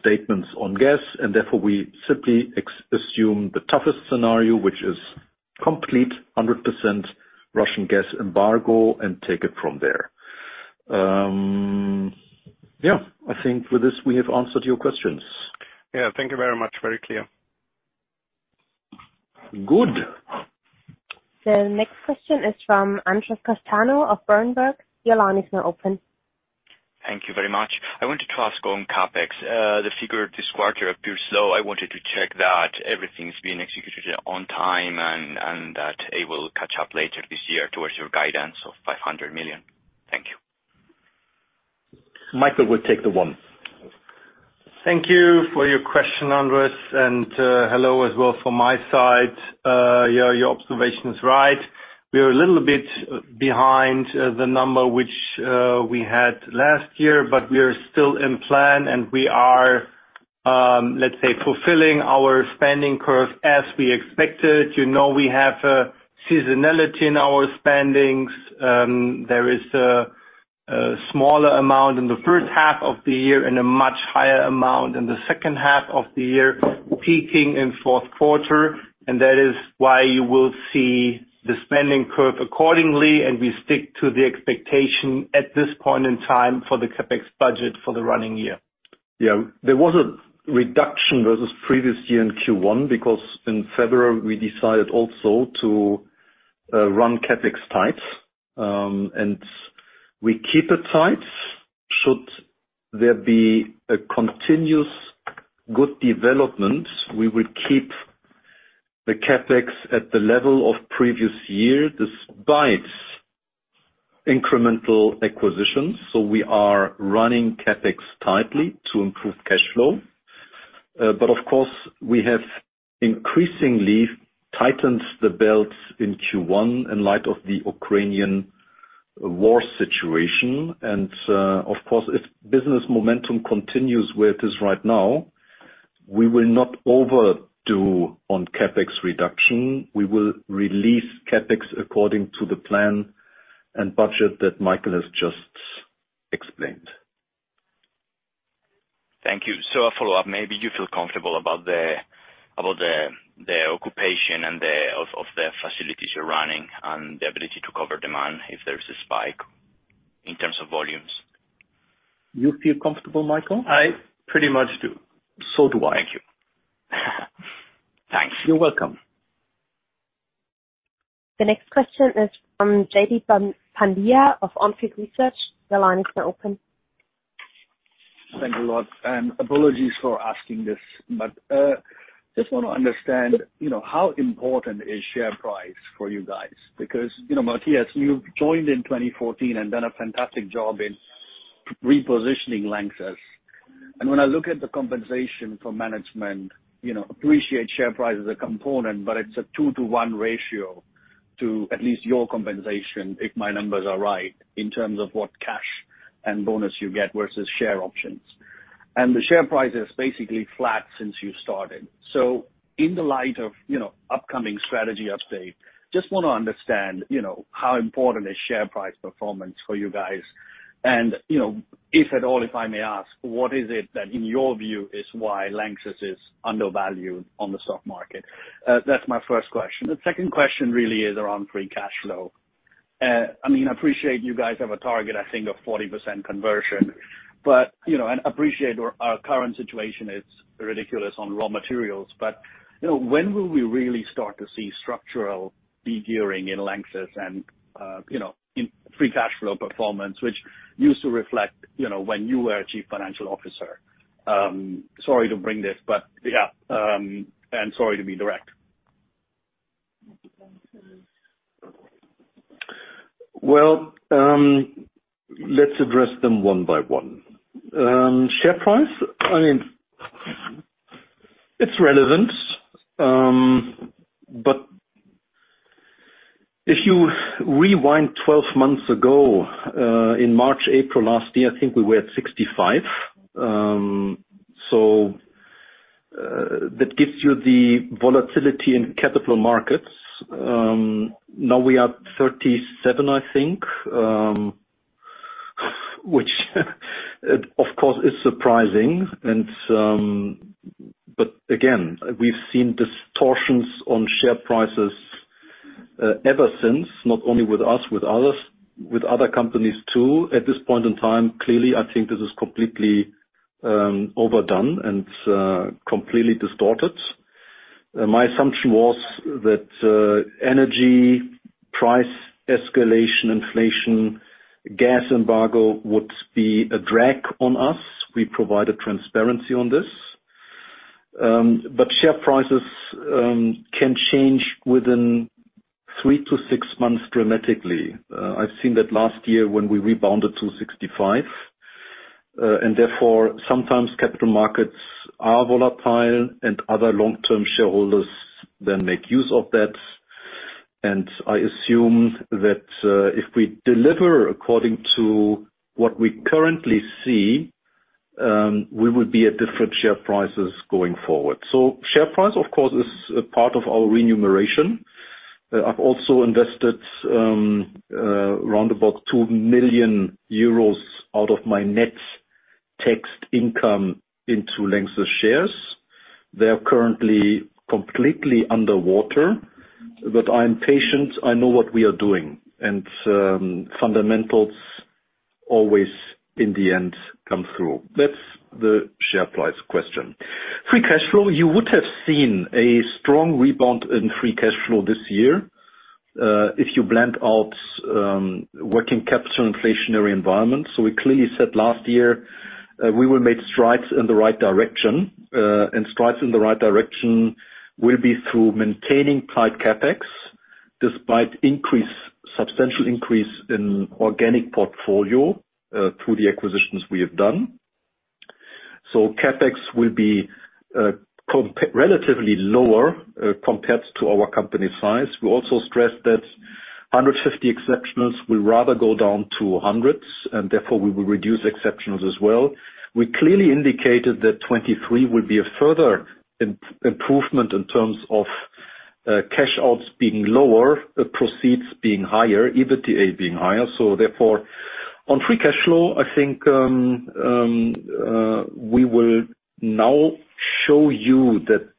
statements on gas. Therefore, we simply assume the toughest scenario, which is complete 100% Russian gas embargo, and take it from there. I think with this, we have answered your questions. Yeah. Thank you very much. Very clear. Good. The next question is from Andrés Castanos of Berenberg. Your line is now open. Thank you very much. I want to ask on CapEx. The figure this quarter appears low. I wanted to check that everything's been executed on time and that it will catch up later this year towards your guidance of 500 million. Thank you. Michael will take that one. Thank you for your question, Andres, and hello as well from my side. Yeah, your observation is right. We are a little bit behind the number which we had last year, but we are still in plan and we are, let's say, fulfilling our spending curve as we expected. You know, we have a seasonality in our spending. There is a smaller amount in the first half of the year and a much higher amount in the second half of the year, peaking in fourth quarter. That is why you will see the spending curve accordingly, and we stick to the expectation at this point in time for the CapEx budget for the running year. Yeah. There was a reduction versus previous year in Q1, because in February we decided also to run CapEx tight. We keep it tight. Should there be a continuous good development, we will keep the CapEx at the level of previous year despite incremental acquisitions. We are running CapEx tightly to improve cash flow. Of course, we have increasingly tightened the belts in Q1 in light of the Ukrainian war situation. Of course, if business momentum continues where it is right now, we will not overdo on CapEx reduction. We will release CapEx according to the plan and budget that Michael has just explained. Thank you. A follow-up, maybe you feel comfortable about the occupation of the facilities you're running and the ability to cover demand if there's a spike in terms of volumes? You feel comfortable, Michael? I pretty much do. As do I. Thank you. Thanks. You're welcome. The next question is from Jaideep Pandya of On Field Investment Research. Your line is now open. Thank you a lot, and apologies for asking this, but just wanna understand, you know, how important is share price for you guys? Because, you know, Matthias, you joined in 2014 and done a fantastic job in repositioning LANXESS. When I look at the compensation for management, you know, appreciate share price as a component, but it's a two-to-one ratio to at least your compensation, if my numbers are right, in terms of what cash and bonus you get versus share options. The share price is basically flat since you started. In the light of, you know, upcoming strategy update, just wanna understand, you know, how important is share price performance for you guys. You know, if at all, if I may ask, what is it that in your view is why LANXESS is undervalued on the stock market? That's my first question. The second question really is around free cash flow. I mean, I appreciate you guys have a target I think of 40% conversion, but you know, and appreciate our current situation is ridiculous on raw materials. You know, when will we really start to see structural de-gearing in LANXESS and you know, in free cash flow performance, which used to reflect you know, when you were our Chief Financial Officer. Sorry to bring this, but yeah, and sorry to be direct. Well, let's address them one by one. Share price, I mean, it's relevant, but if you rewind 12 months ago, in March, April last year, I think we were at 65. That gives you the volatility in capital markets. Now we are 37, I think, which of course is surprising and but again, we've seen distortions on share prices ever since, not only with us, with others, with other companies too. At this point in time, clearly, I think this is completely overdone and completely distorted. My assumption was that energy price escalation, inflation, gas embargo would be a drag on us. We provided transparency on this. Share prices can change within 3-6 months dramatically. I've seen that last year when we rebounded to 65. Therefore, sometimes capital markets are volatile and other long-term shareholders then make use of that. I assume that, if we deliver according to what we currently see, we would be at different share prices going forward. Share price, of course, is a part of our remuneration. I've also invested, roundabout 2 million euros out of my net taxed income into LANXESS shares. They are currently completely underwater, but I'm patient. I know what we are doing and, fundamentals always in the end come through. That's the share price question. Free cashflow, you would have seen a strong rebound in free cashflow this year, if you blend out, working capital inflationary environment. We clearly said last year, we will make strides in the right direction, and strides in the right direction will be through maintaining tight CapEx despite substantial increase in organic portfolio, through the acquisitions we have done. CapEx will be relatively lower, compared to our company size. We also stressed that 150 exceptionals will rather go down to hundreds, and therefore we will reduce exceptionals as well. We clearly indicated that 2023 will be a further improvement in terms of, cash outs being lower, proceeds being higher, EBITDA being higher. Therefore, on free cash flow, I think, we will now show you that,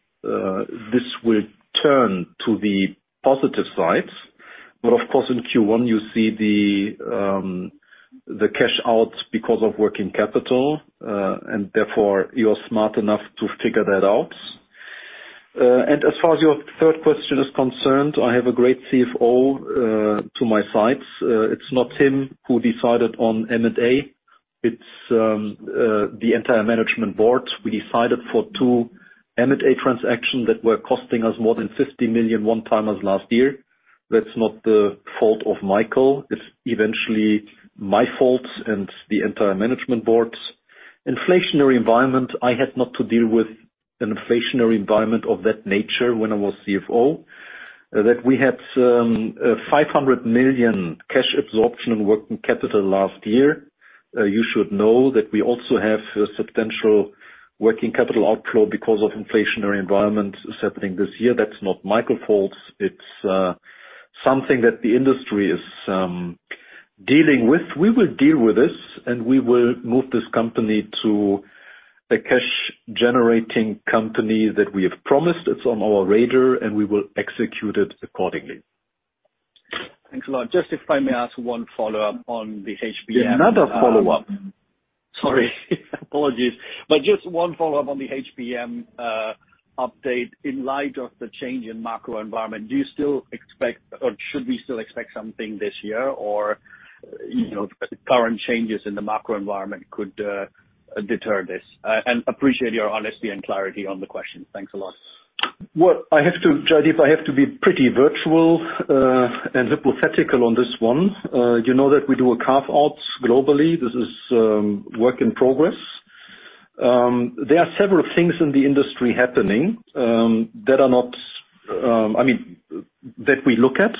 this will turn to the positive sides. Of course in Q1 you see the cash outs because of working capital, and therefore you're smart enough to figure that out. As far as your third question is concerned, I have a great CFO to my sides. It's not him who decided on M&A. It's the entire management board. We decided for two M&A transactions that were costing us more than 50 million one-timers last year. That's not the fault of Michael. It's eventually my fault and the entire management board's. Inflationary environment, I had not to deal with an inflationary environment of that nature when I was CFO. That we had 500 million cash absorption in working capital last year. You should know that we also have a substantial working capital outflow because of inflationary environment settling this year. That's not Michael's fault. It's something that the industry is dealing with. We will deal with this, and we will move this company to a cash-generating company that we have promised. It's on our radar, and we will execute it accordingly. Thanks a lot. Just if I may ask one follow-up on the HPM. Another follow-up. Sorry. Apologies, just one follow-up on the HPM update. In light of the change in macro environment, do you still expect or should we still expect something this year or, you know, current changes in the macro environment could deter this? Appreciate your honesty and clarity on the question. Thanks a lot. Well, Jaideep, I have to be pretty virtual and hypothetical on this one. You know that we do a carve-outs globally. This is work in progress. There are several things in the industry happening that we look at.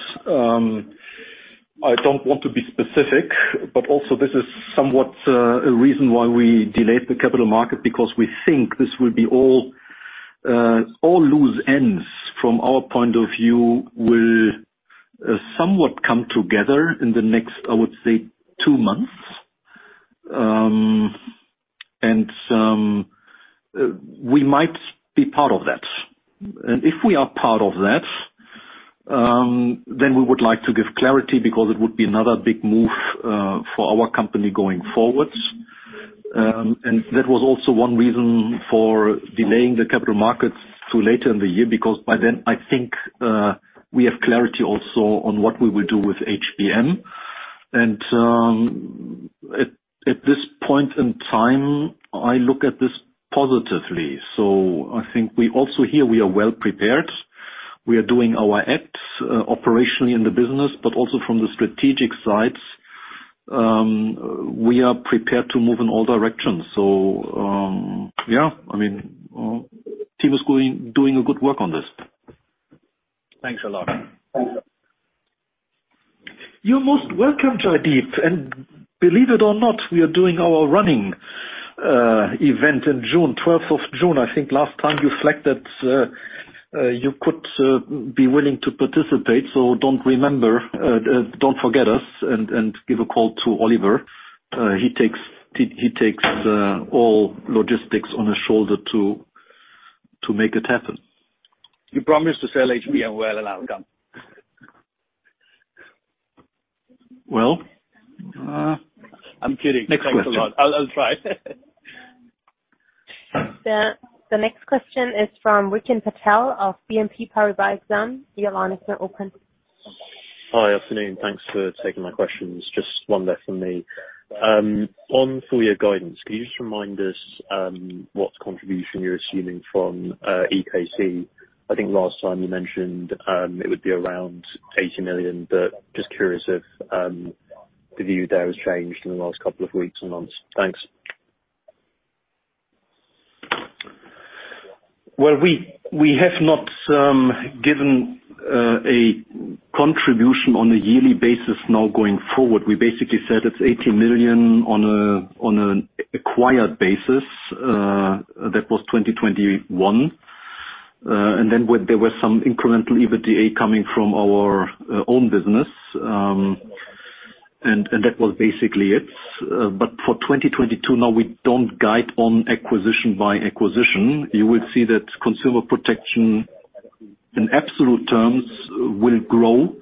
I don't want to be specific, but also this is somewhat a reason why we delayed the capital market because we think this will be all loose ends from our point of view will somewhat come together in the next, I would say, 2 months. We might be part of that. If we are part of that, then we would like to give clarity because it would be another big move for our company going forwards. That was also one reason for delaying the capital markets to later in the year, because by then, I think, we have clarity also on what we will do with HPM. At this point in time, I look at this positively. I think we also here we are well prepared. We are doing our acts operationally in the business, but also from the strategic sides. We are prepared to move in all directions. Yeah. I mean, team is doing a good work on this. Thanks a lot. You're most welcome, Jaideep. Believe it or not, we are doing our running event in June, twelfth of June. I think last time you flagged that you could be willing to participate. Don't forget us and give a call to Oliver. He takes all logistics on his shoulder to make it happen. You promise to sell HPM well, and I'll come. Well. I'm kidding. Next question. Thanks a lot. I'll try. The next question is from Rikin Patel of BNP Paribas. Your line is now open. Hi. Afternoon. Thanks for taking my questions. Just one there from me. On full year guidance, can you just remind us what contribution you're assuming from EKC? I think last time you mentioned it would be around 80 million, but just curious if the view there has changed in the last couple of weeks and months. Thanks. Well, we have not given a contribution on a yearly basis now going forward. We basically said it's 80 million on an acquired basis. That was 2021. Then there were some incremental EBITDA coming from our own business, and that was basically it. For 2022 now we don't guide on acquisition by acquisition. You will see that Consumer Protection in absolute terms will grow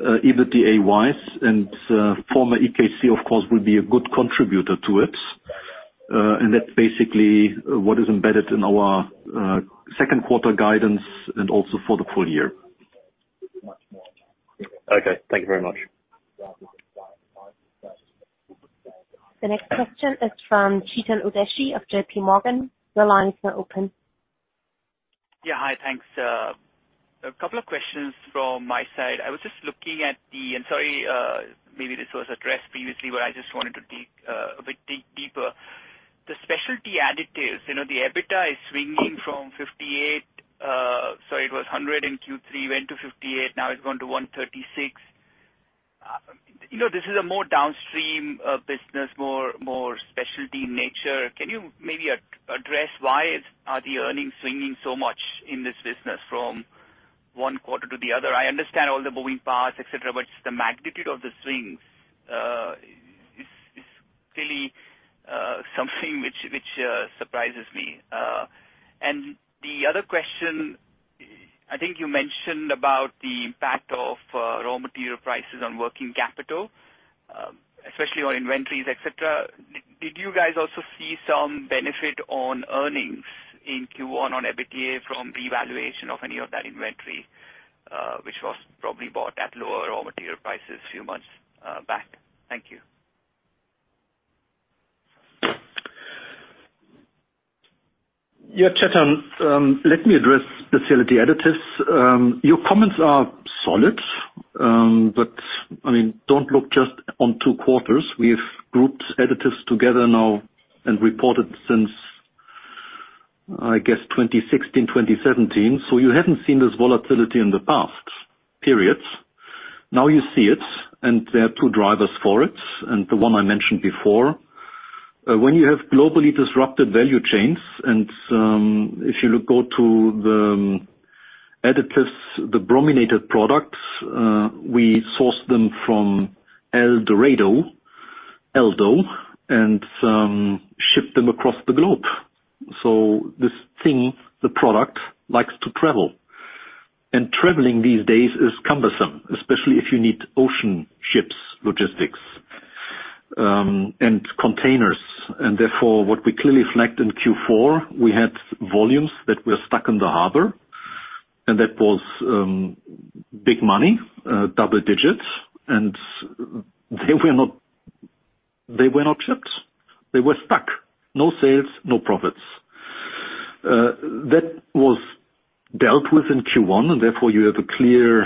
EBITDA-wise. Former EKC, of course, will be a good contributor to it. That's basically what is embedded in our second quarter guidance and also for the full year. Okay. Thank you very much. The next question is from Chetan Udeshi of J.P. Morgan. Your line is now open. Yeah. Hi. Thanks. A couple of questions from my side. I was just looking at the. Sorry, maybe this was addressed previously, but I just wanted to dig a bit deeper. The Specialty Additives, you know, the EBITDA is swinging from 58. So it was 100 in Q3, went to 58, now it's going to 136. You know, this is a more downstream business, more specialty in nature. Can you maybe address why are the earnings swinging so much in this business from one quarter to the other? I understand all the moving parts, et cetera, but the magnitude of the swings is really something which surprises me. The other question, I think you mentioned about the impact of raw material prices on working capital, especially on inventories, et cetera. Did you guys also see some benefit on earnings in Q1 on EBITDA from revaluation of any of that inventory, which was probably bought at lower raw material prices a few months back? Thank you. Yeah, Chetan. Let me address Specialty Additives. Your comments are solid, but I mean, don't look just on two quarters. We've grouped additives together now and reported since, I guess, 2016, 2017. You haven't seen this volatility in the past periods. Now you see it, and there are two drivers for it. The one I mentioned before. When you have globally disrupted value chains and, if you look to the additives, the brominated products, we source them from El Dorado, Eldo, and ship them across the globe. This thing, the product, likes to travel. Traveling these days is cumbersome, especially if you need ocean ships logistics, and containers. Therefore, what we clearly flagged in Q4, we had volumes that were stuck in the harbor, and that was big money, double digits. They were not shipped, they were stuck. No sales, no profits. That was dealt with in Q1, and therefore you have a clear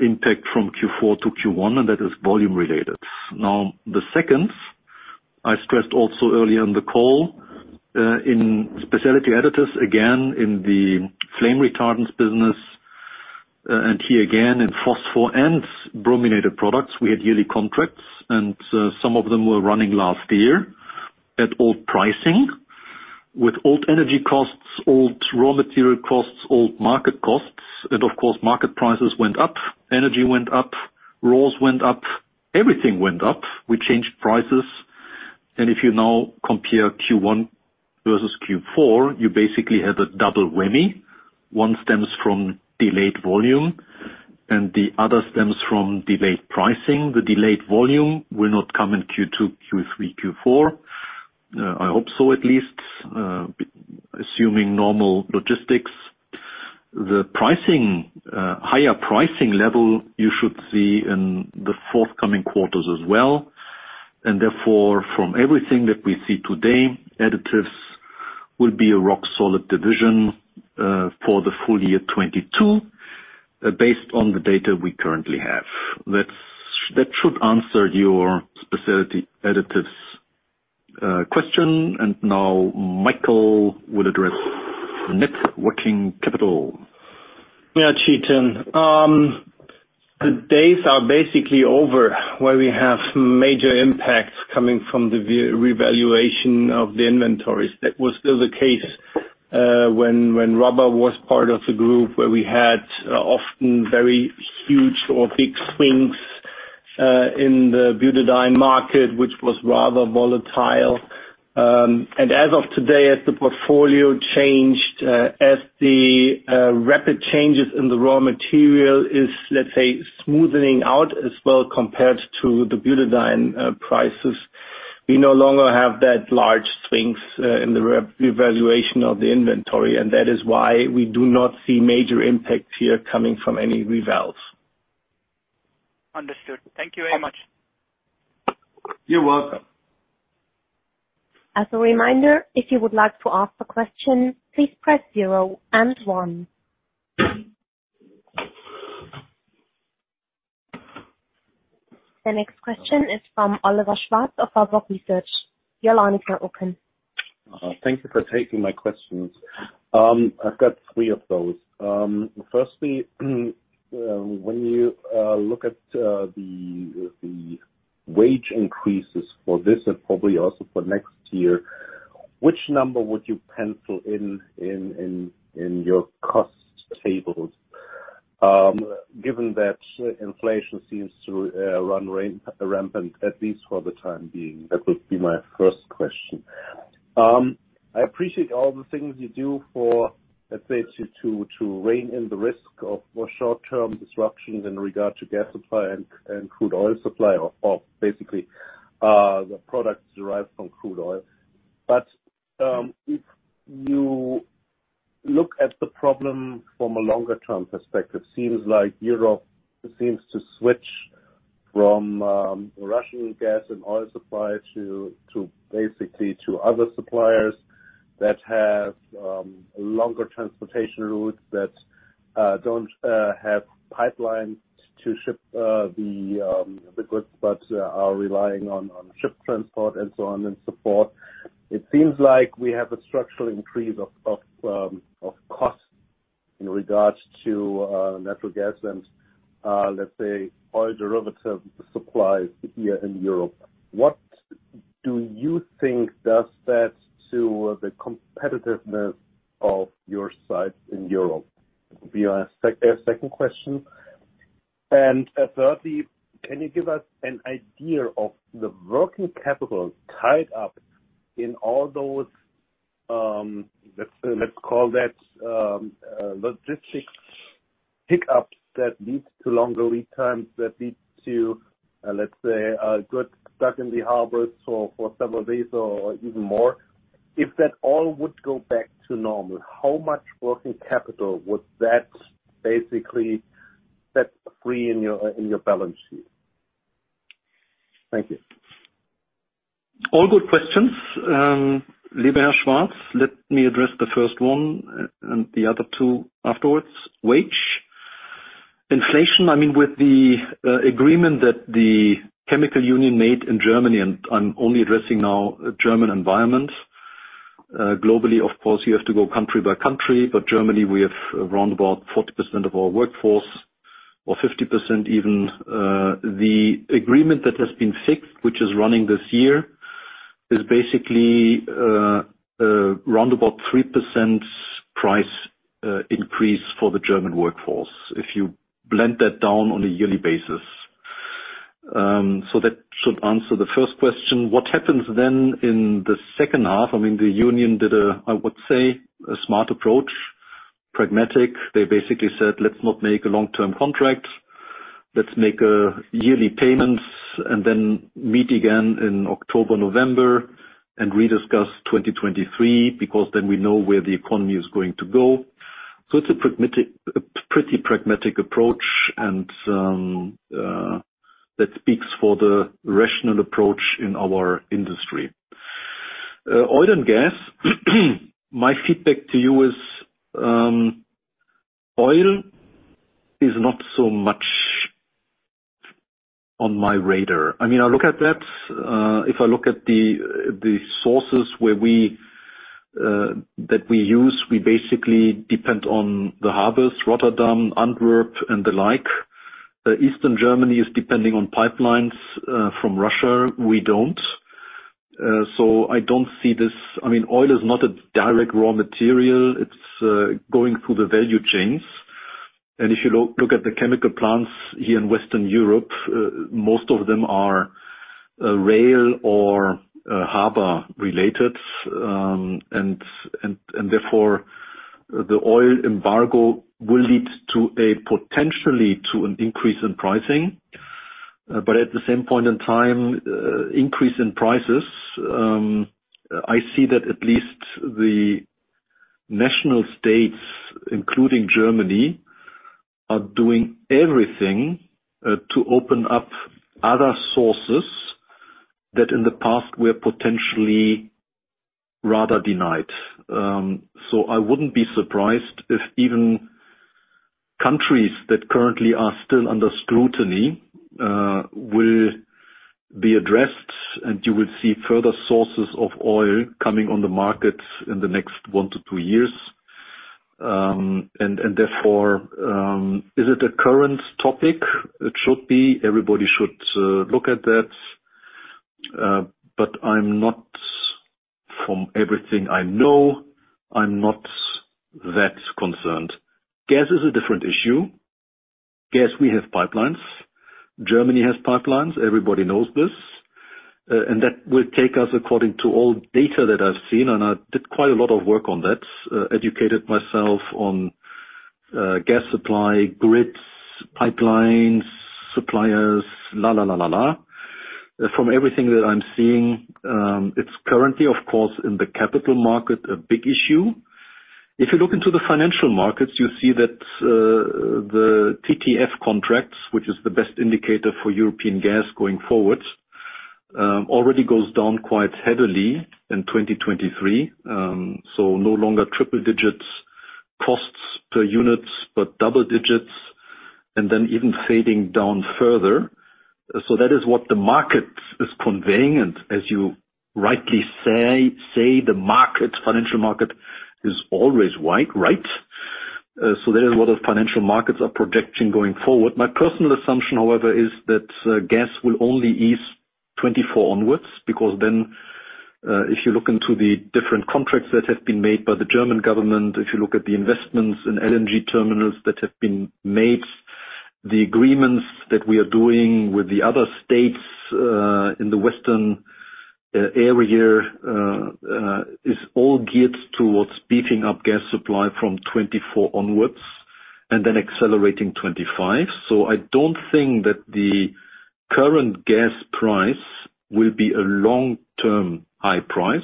impact from Q4 to Q1, and that is volume related. Now, the second, I stressed also earlier in the call, in Specialty Additives, again in the flame retardants business, and here again in phosphorus and brominated products. We had yearly contracts and some of them were running last year at old pricing with old energy costs, old raw material costs, old market costs. Of course, market prices went up, energy went up, raws went up, everything went up. We changed prices. If you now compare Q1 versus Q4, you basically had a double whammy. One stems from delayed volume and the other stems from delayed pricing. The delayed volume will not come in Q2, Q3, Q4. I hope so, at least, assuming normal logistics. The pricing, higher pricing level you should see in the forthcoming quarters as well. Therefore, from everything that we see today, additives will be a rock-solid division, for the full year 2022, based on the data we currently have. That should answer your Specialty Additives question. Now Michael will address net working capital. Yeah, Chetan. The days are basically over where we have major impacts coming from the revaluation of the inventories. That was still the case when Rubber was part of the group where we had often very huge or big swings in the butadiene market, which was rather volatile. As of today, as the portfolio changed, as the rapid changes in the raw material is, let's say, smoothing out as well compared to the butadiene prices, we no longer have that large swings in the revaluation of the inventory, and that is why we do not see major impacts here coming from any revals. Understood. Thank you very much. You're welcome. As a reminder, if you would like to ask a question, please press zero and one. The next question is from Oliver Schwarz of Berenberg Research. Your line is now open. Thank you for taking my questions. I've got three of those. Firstly, when you look at the wage increases for this and probably also for next year, which number would you pencil in your cost tables, given that inflation seems to run rampant, at least for the time being? That would be my first question. I appreciate all the things you do for, let's say, to rein in the risk of short-term disruptions in regard to gas supply and crude oil supply or basically the products derived from crude oil. If you look at the problem from a longer term perspective, seems like Europe seems to switch from Russian gas and oil supply to basically other suppliers that have longer transportation routes that don't have pipelines to ship the goods but are relying on ship transport and so on and so forth. It seems like we have a structural increase of costs in regards to natural gas and let's say oil derivative supplies here in Europe. What do you think does that to the competitiveness of your sites in Europe? Will be our second question. Thirdly, can you give us an idea of the working capital tied up in all those, let's call that, logistics hiccups that leads to longer lead times, that leads to, let's say, goods stuck in the harbors for several days or even more. If that all would go back to normal, how much working capital would that basically set free in your balance sheet? Thank you. All good questions. Lieber Herr Schwarz, let me address the first one and the other two afterwards. Wage inflation, I mean, with the agreement that the chemical union made in Germany, and I'm only addressing now German environment. Globally, of course, you have to go country by country, but Germany, we have around about 40% of our workforce, or 50% even. The agreement that has been fixed, which is running this year, is basically around about 3% price increase for the German workforce if you blend that down on a yearly basis. So that should answer the first question. What happens then in the second half? I mean, the union did a smart approach, pragmatic. They basically said, "Let's not make a long-term contract. Let's make yearly payments and then meet again in October, November and re-discuss 2023, because then we know where the economy is going to go. It's a pretty pragmatic approach, and that speaks for the rational approach in our industry. Oil and gas. My feedback to you is, oil is not so much on my radar. I mean, I look at that. If I look at the sources that we use, we basically depend on the harbors, Rotterdam, Antwerp, and the like. Eastern Germany is depending on pipelines from Russia. We don't. I don't see this. I mean, oil is not a direct raw material. It's going through the value chains. If you look at the chemical plants here in Western Europe, most of them are rail or harbor-related, and therefore, the oil embargo will lead to a potential increase in pricing. But at the same point in time, increase in prices, I see that at least the nation states, including Germany, are doing everything to open up other sources that in the past were potentially rather denied. I wouldn't be surprised if even countries that currently are still under scrutiny will be addressed, and you will see further sources of oil coming on the market in the next 1-2 years. Is it a current topic? It should be. Everybody should look at that. But from everything I know, I'm not that concerned. Gas is a different issue. Gas, we have pipelines. Germany has pipelines. Everybody knows this. That will take us according to all data that I've seen, and I did quite a lot of work on that, educated myself on, gas supply, grids, pipelines, suppliers. From everything that I'm seeing, it's currently, of course, in the capital market, a big issue. If you look into the financial markets, you see that, the TTF contracts, which is the best indicator for European gas going forward, already goes down quite heavily in 2023. No longer triple digits costs per units, but double digits and then even fading down further. That is what the market is conveying, and as you rightly say, the market, financial market is always right. That is what those financial markets are projecting going forward. My personal assumption, however, is that gas will only ease 2024 onwards because then, if you look into the different contracts that have been made by the German government, if you look at the investments in LNG terminals that have been made, the agreements that we are doing with the other states in the Western area is all geared towards beefing up gas supply from 2024 onwards and then accelerating 2025. I don't think that the current gas price will be a long-term high price.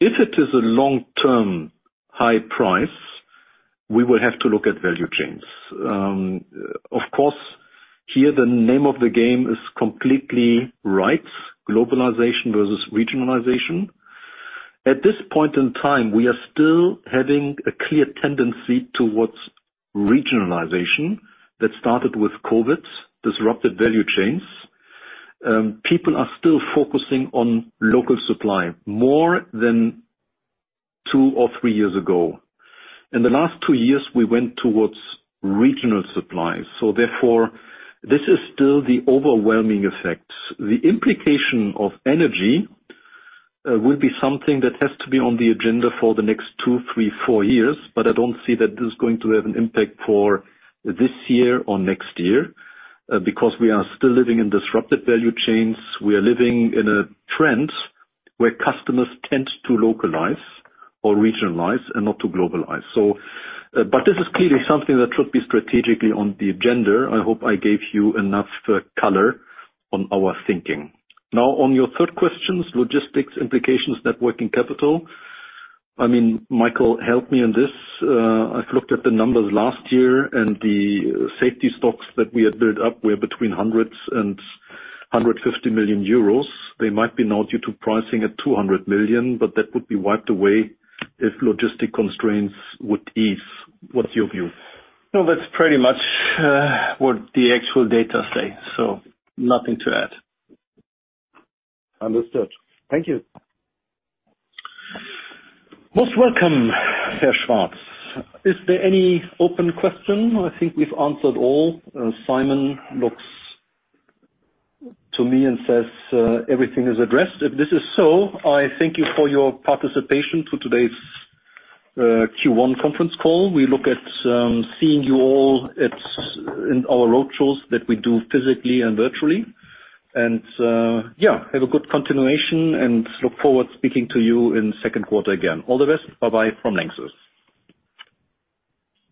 If it is a long-term high price, we will have to look at value chains. Of course, here the name of the game is completely right, globalization versus regionalization. At this point in time, we are still having a clear tendency towards regionalization that started with COVID, disrupted value chains. People are still focusing on local supply more than 2 or 3 years ago. In the last 2 years, we went towards regional supply. Therefore, this is still the overwhelming effect. The implication of energy will be something that has to be on the agenda for the next 2, 3, 4 years, but I don't see that this is going to have an impact for this year or next year because we are still living in disrupted value chains. We are living in a trend where customers tend to localize or regionalize and not to globalize. This is clearly something that should be strategically on the agenda. I hope I gave you enough color on our thinking. Now, on your third question, logistics implications, net working capital. I mean, Michael, help me in this. I've looked at the numbers last year and the safety stocks that we had built up were between 100 million euros and 150 million euros. They might be now due to pricing at 200 million, but that would be wiped away if logistics constraints would ease. What's your view? No, that's pretty much what the actual data say. Nothing to add. Understood. Thank you. Most welcome, Herr Schwarz. Is there any open question? I think we've answered all. Simon looks to me and says everything is addressed. If this is so, I thank you for your participation to today's Q1 conference call. We look at seeing you all at in our roadshows that we do physically and virtually. Yeah. Have a good continuation and look forward to speaking to you in the second quarter again. All the best. Bye-bye from LANXESS.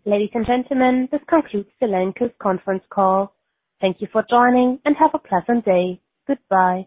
Ladies and gentlemen, this concludes the LANXESS conference call. Thank you for joining, and have a pleasant day. Goodbye.